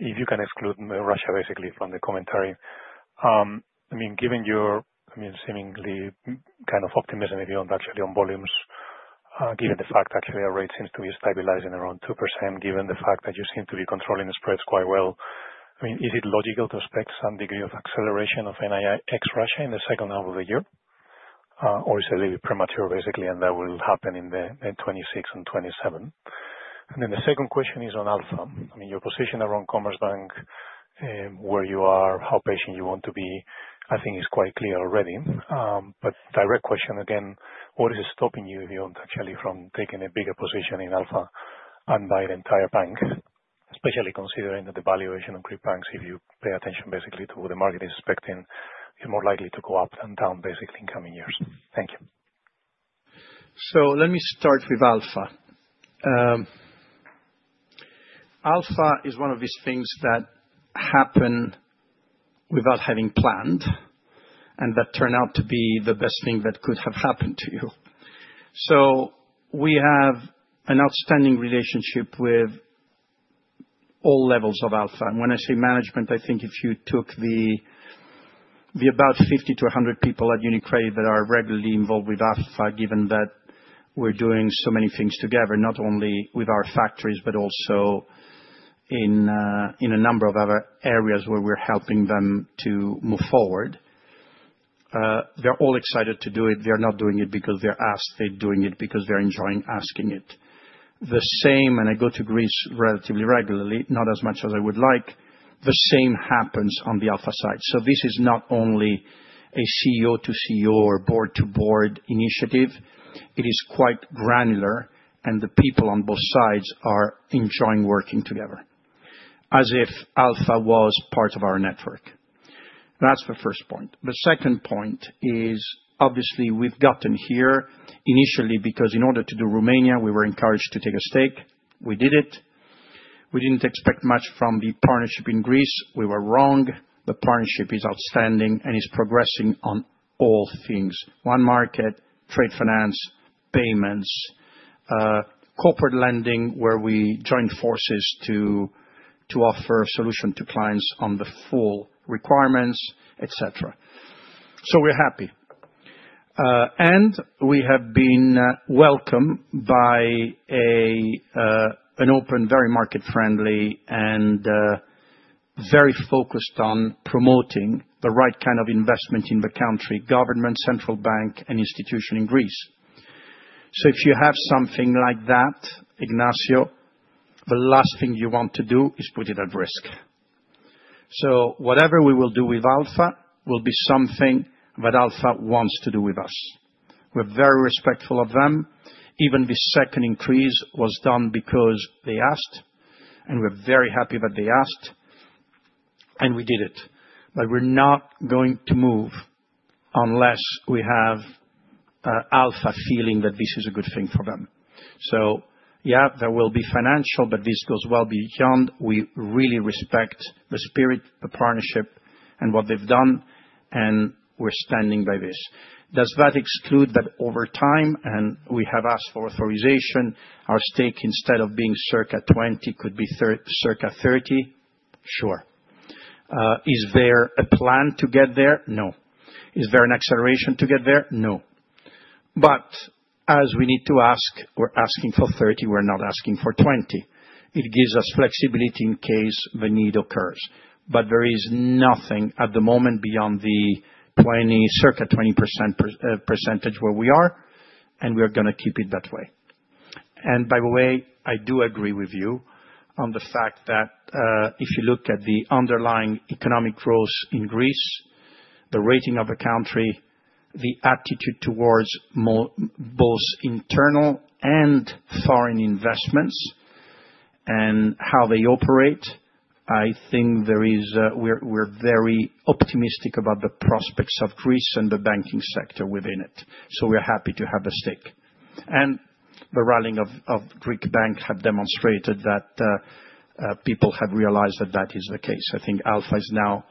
If you can exclude Russia, basically, from the commentary. I mean, given your seemingly kind of optimism, if you want actually on volumes, given the fact actually our rate seems to be stabilizing around 2%, given the fact that you seem to be controlling the spreads quite well, I mean, is it logical to expect some degree of acceleration of NII ex-Russia in the second half of the year? Or is it a little bit premature, basically, and that will happen in 2026 and 2027? The second question is on Alpha. I mean, your position around Commerzbank, where you are, how patient you want to be, I think is quite clear already. Direct question again, what is stopping you, if you want actually, from taking a bigger position in Alpha and buy the entire bank, especially considering that the valuation of Cripbanks, if you pay attention basically to what the market is expecting, is more likely to go up than down, basically, in coming years? Thank you. Let me start with Alpha. Alpha is one of these things that happen without having planned and that turn out to be the best thing that could have happened to you. We have an outstanding relationship with all levels of Alpha. When I say management, I think if you took the about 50 to 100 people at UniCredit that are regularly involved with Alpha, given that we are doing so many things together, not only with our factories but also in a number of other areas where we are helping them to move forward, they are all excited to do it. They're not doing it because they're asked. They're doing it because they're enjoying asking it. The same—and I go to Greece relatively regularly, not as much as I would like—the same happens on the Alpha side. This is not only a CEO to CEO or board to board initiative. It is quite granular, and the people on both sides are enjoying working together as if Alpha was part of our network. That's the first point. The second point is, obviously, we've gotten here initially because in order to do Romania, we were encouraged to take a stake. We did it. We didn't expect much from the partnership in Greece. We were wrong. The partnership is outstanding and is progressing on all things: one market, trade finance, payments, corporate lending where we joined forces to offer a solution to clients on the full requirements, etc. We're happy. We have been welcomed by an open, very market-friendly, and very focused on promoting the right kind of investment in the country: government, central bank, and institution in Greece. If you have something like that, Ignacio, the last thing you want to do is put it at risk. Whatever we will do with Alpha will be something that Alpha wants to do with us. We're very respectful of them. Even the second increase was done because they asked, and we're very happy that they asked. We did it. We're not going to move unless we have Alpha feeling that this is a good thing for them. There will be financial, but this goes well beyond. We really respect the spirit, the partnership, and what they've done, and we're standing by this. Does that exclude that over time, and we have asked for authorization, our stake instead of being circa 20% could be circa 30%? Sure. Is there a plan to get there? No. Is there an acceleration to get there? No. As we need to ask, we're asking for 30%. We're not asking for 20%. It gives us flexibility in case the need occurs. There is nothing at the moment beyond the circa 20% percentage where we are, and we are going to keep it that way. By the way, I do agree with you on the fact that if you look at the underlying economic growth in Greece, the rating of the country, the attitude towards both internal and foreign investments, and how they operate, I think we're very optimistic about the prospects of Greece and the banking sector within it. We're happy to have a stake. The rallying of Cripbank have demonstrated that people have realized that that is the case. I think Alpha is now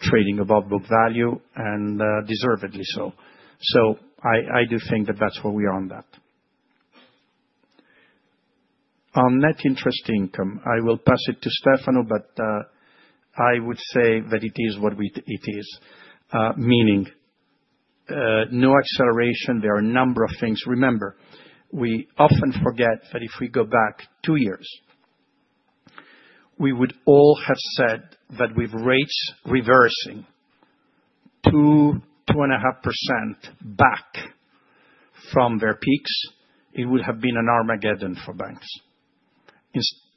trading above book value, and deservedly so. I do think that that's where we are on that. On net interest income, I will pass it to Stefano, but I would say that it is what it is, meaning no acceleration. There are a number of things. Remember. We often forget that if we go back two years, we would all have said that with rates reversing, 2-2.5% back from their peaks, it would have been an Armageddon for banks.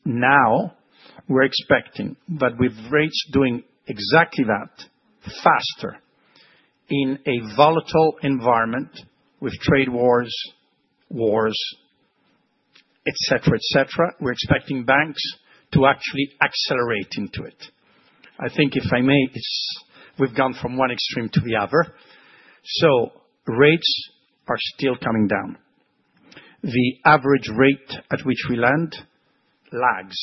Now, we're expecting that with rates doing exactly that, faster in a volatile environment with trade wars, wars, etc., etc., we're expecting banks to actually accelerate into it. I think if I may, we've gone from one extreme to the other. Rates are still coming down. The average rate at which we lend lags.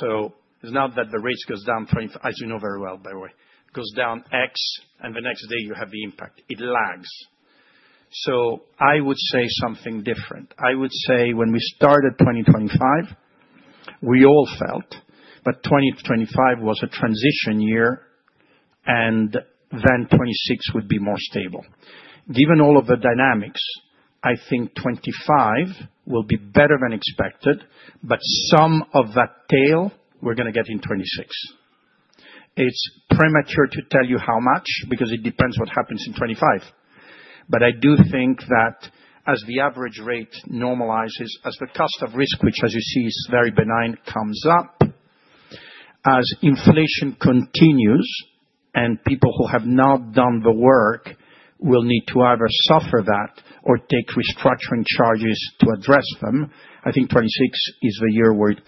It is not that the rates go down, as you know very well, by the way, goes down X, and the next day you have the impact. It lags. I would say something different. I would say when we started 2025, we all felt that 2025 was a transition year, and then 2026 would be more stable. Given all of the dynamics, I think 2025 will be better than expected, but some of that tail we're going to get in 2026. It is premature to tell you how much because it depends what happens in 2025. I do think that as the average rate normalizes, as the cost of risk, which as you see is very benign, comes up, as inflation continues and people who have not done the work will need to either suffer that or take restructuring charges to address them, I think 2026 is the year where it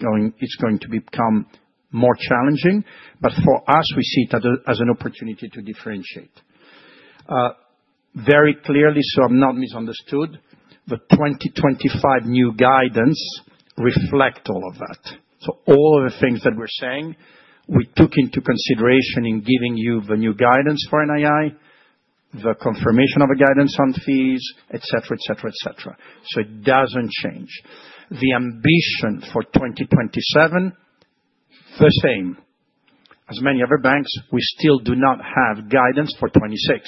is going to become more challenging. For us, we see it as an opportunity to differentiate. Very clearly, so I am not misunderstood, the 2025 new guidance reflects all of that. All of the things that we're saying, we took into consideration in giving you the new guidance for NII, the confirmation of a guidance on fees, etc., etc., etc. It does not change the ambition for 2027. The same. As many other banks, we still do not have guidance for 2026.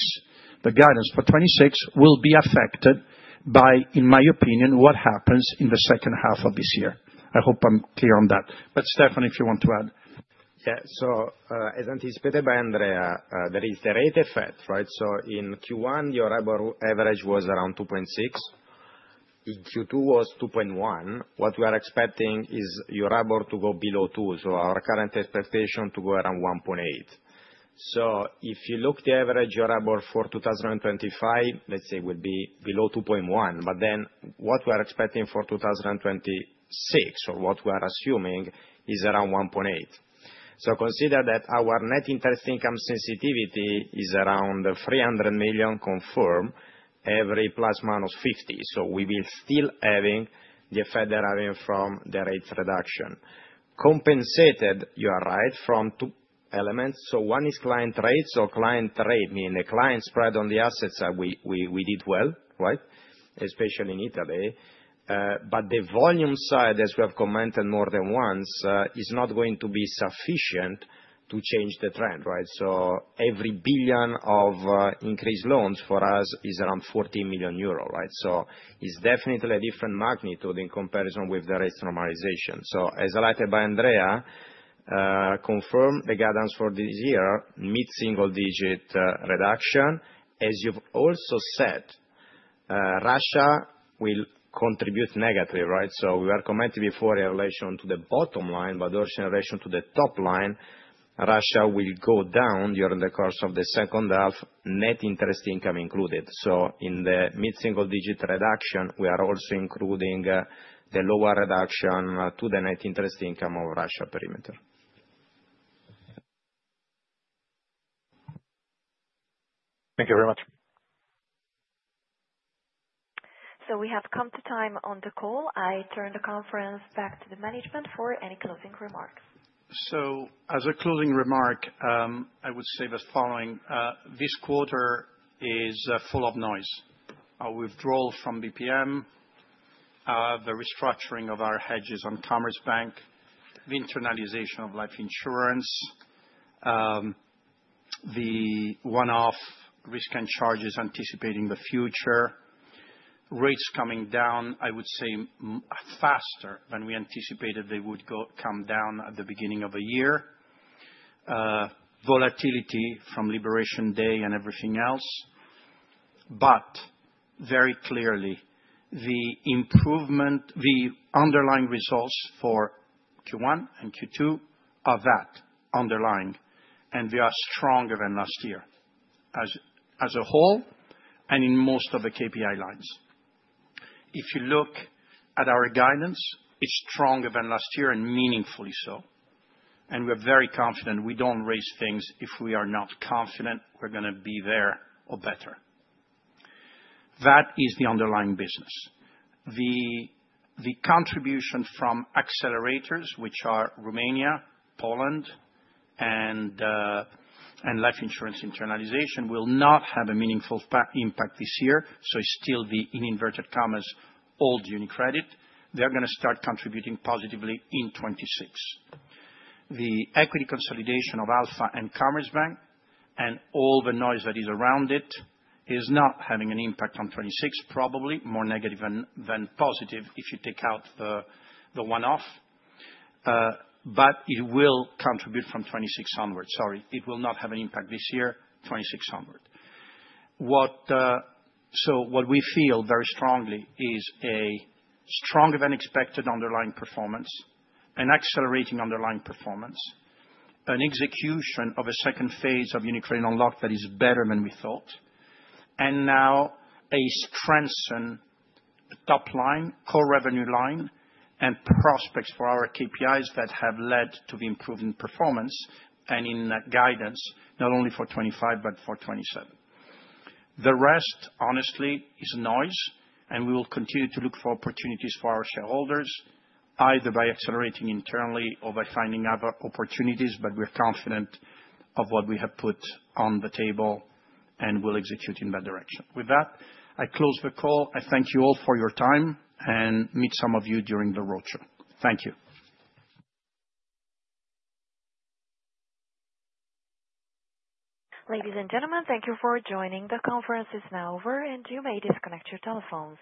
The guidance for 2026 will be affected by, in my opinion, what happens in the second half of this year. I hope I am clear on that. Stefano, if you want to add. Yeah. As anticipated by Andrea, there is the rate effect, right? In Q1, your average was around 2.6. In Q2, it was 2.1. What we are expecting is your average to go below 2. Our current expectation is to go around 1.8. If you look at the average, your average for 2025, let's say it will be below 2.1. What we are expecting for 2026, or what we are assuming, is around 1.8. Consider that our net interest income sensitivity is around 300 million confirmed, every plus minus 50. We will still be having the effect that we're having from the rate reduction. Compensated, you are right, from two elements. One is client trades. Client trade, meaning the client spread on the assets that we did well, right? Especially in Italy. The volume side, as we have commented more than once, is not going to be sufficient to change the trend, right? Every billion of increased loans for us is around 14 million euro, right? It is definitely a different magnitude in comparison with the rate normalization. As highlighted by Andrea, confirmed the guidance for this year, mid-single-digit reduction, as you have also said. Russia will contribute negative, right? We were commenting before in relation to the bottom line, but also in relation to the top line, Russia will go down during the course of the second half, net interest income included. In the mid-single-digit reduction, we are also including the lower reduction to the net interest income of Russia perimeter. Thank you very much. We have come to time on the call. I turn the conference back to the management for any closing remarks. As a closing remark, I would say the following. This quarter is full of noise. Our withdrawal from BPM, the restructuring of our hedges on Commerzbank, the internalization of life insurance, the one-off risk and charges anticipating the future, rates coming down, I would say, faster than we anticipated they would come down at the beginning of the year, volatility from liberation day and everything else. Very clearly, the underlying results for Q1 and Q2 are that underlying, and they are stronger than last year as a whole and in most of the KPI lines. If you look at our guidance, it is stronger than last year and meaningfully so. We are very confident. We do not raise things if we are not confident we are going to be there or better. That is the underlying business. The contribution from accelerators, which are Romania, Poland, and life insurance internalization, will not have a meaningful impact this year. It is still the, in inverted commas, old UniCredit. They are going to start contributing positively in 2026. The equity consolidation of Alpha and Commerzbank and all the noise that is around it is not having an impact on 2026, probably more negative than positive if you take out the one-off. It will contribute from 2026 onward. Sorry. It will not have an impact this year, 2026 onward. What we feel very strongly is a stronger than expected underlying performance, an accelerating underlying performance, an execution of a second phase of UniCredit Unlocked that is better than we thought, and now a strengthened top line, core revenue line, and prospects for our KPIs that have led to the improved performance and in guidance, not only for 2025 but for 2027. The rest, honestly, is noise, and we will continue to look for opportunities for our shareholders, either by accelerating internally or by finding other opportunities. We are confident of what we have put on the table and will execute in that direction. With that, I close the call. I thank you all for your time and meet some of you during the roadshow. Thank you. Ladies and gentlemen, thank you for joining. The conference is now over, and you may disconnect your telephones.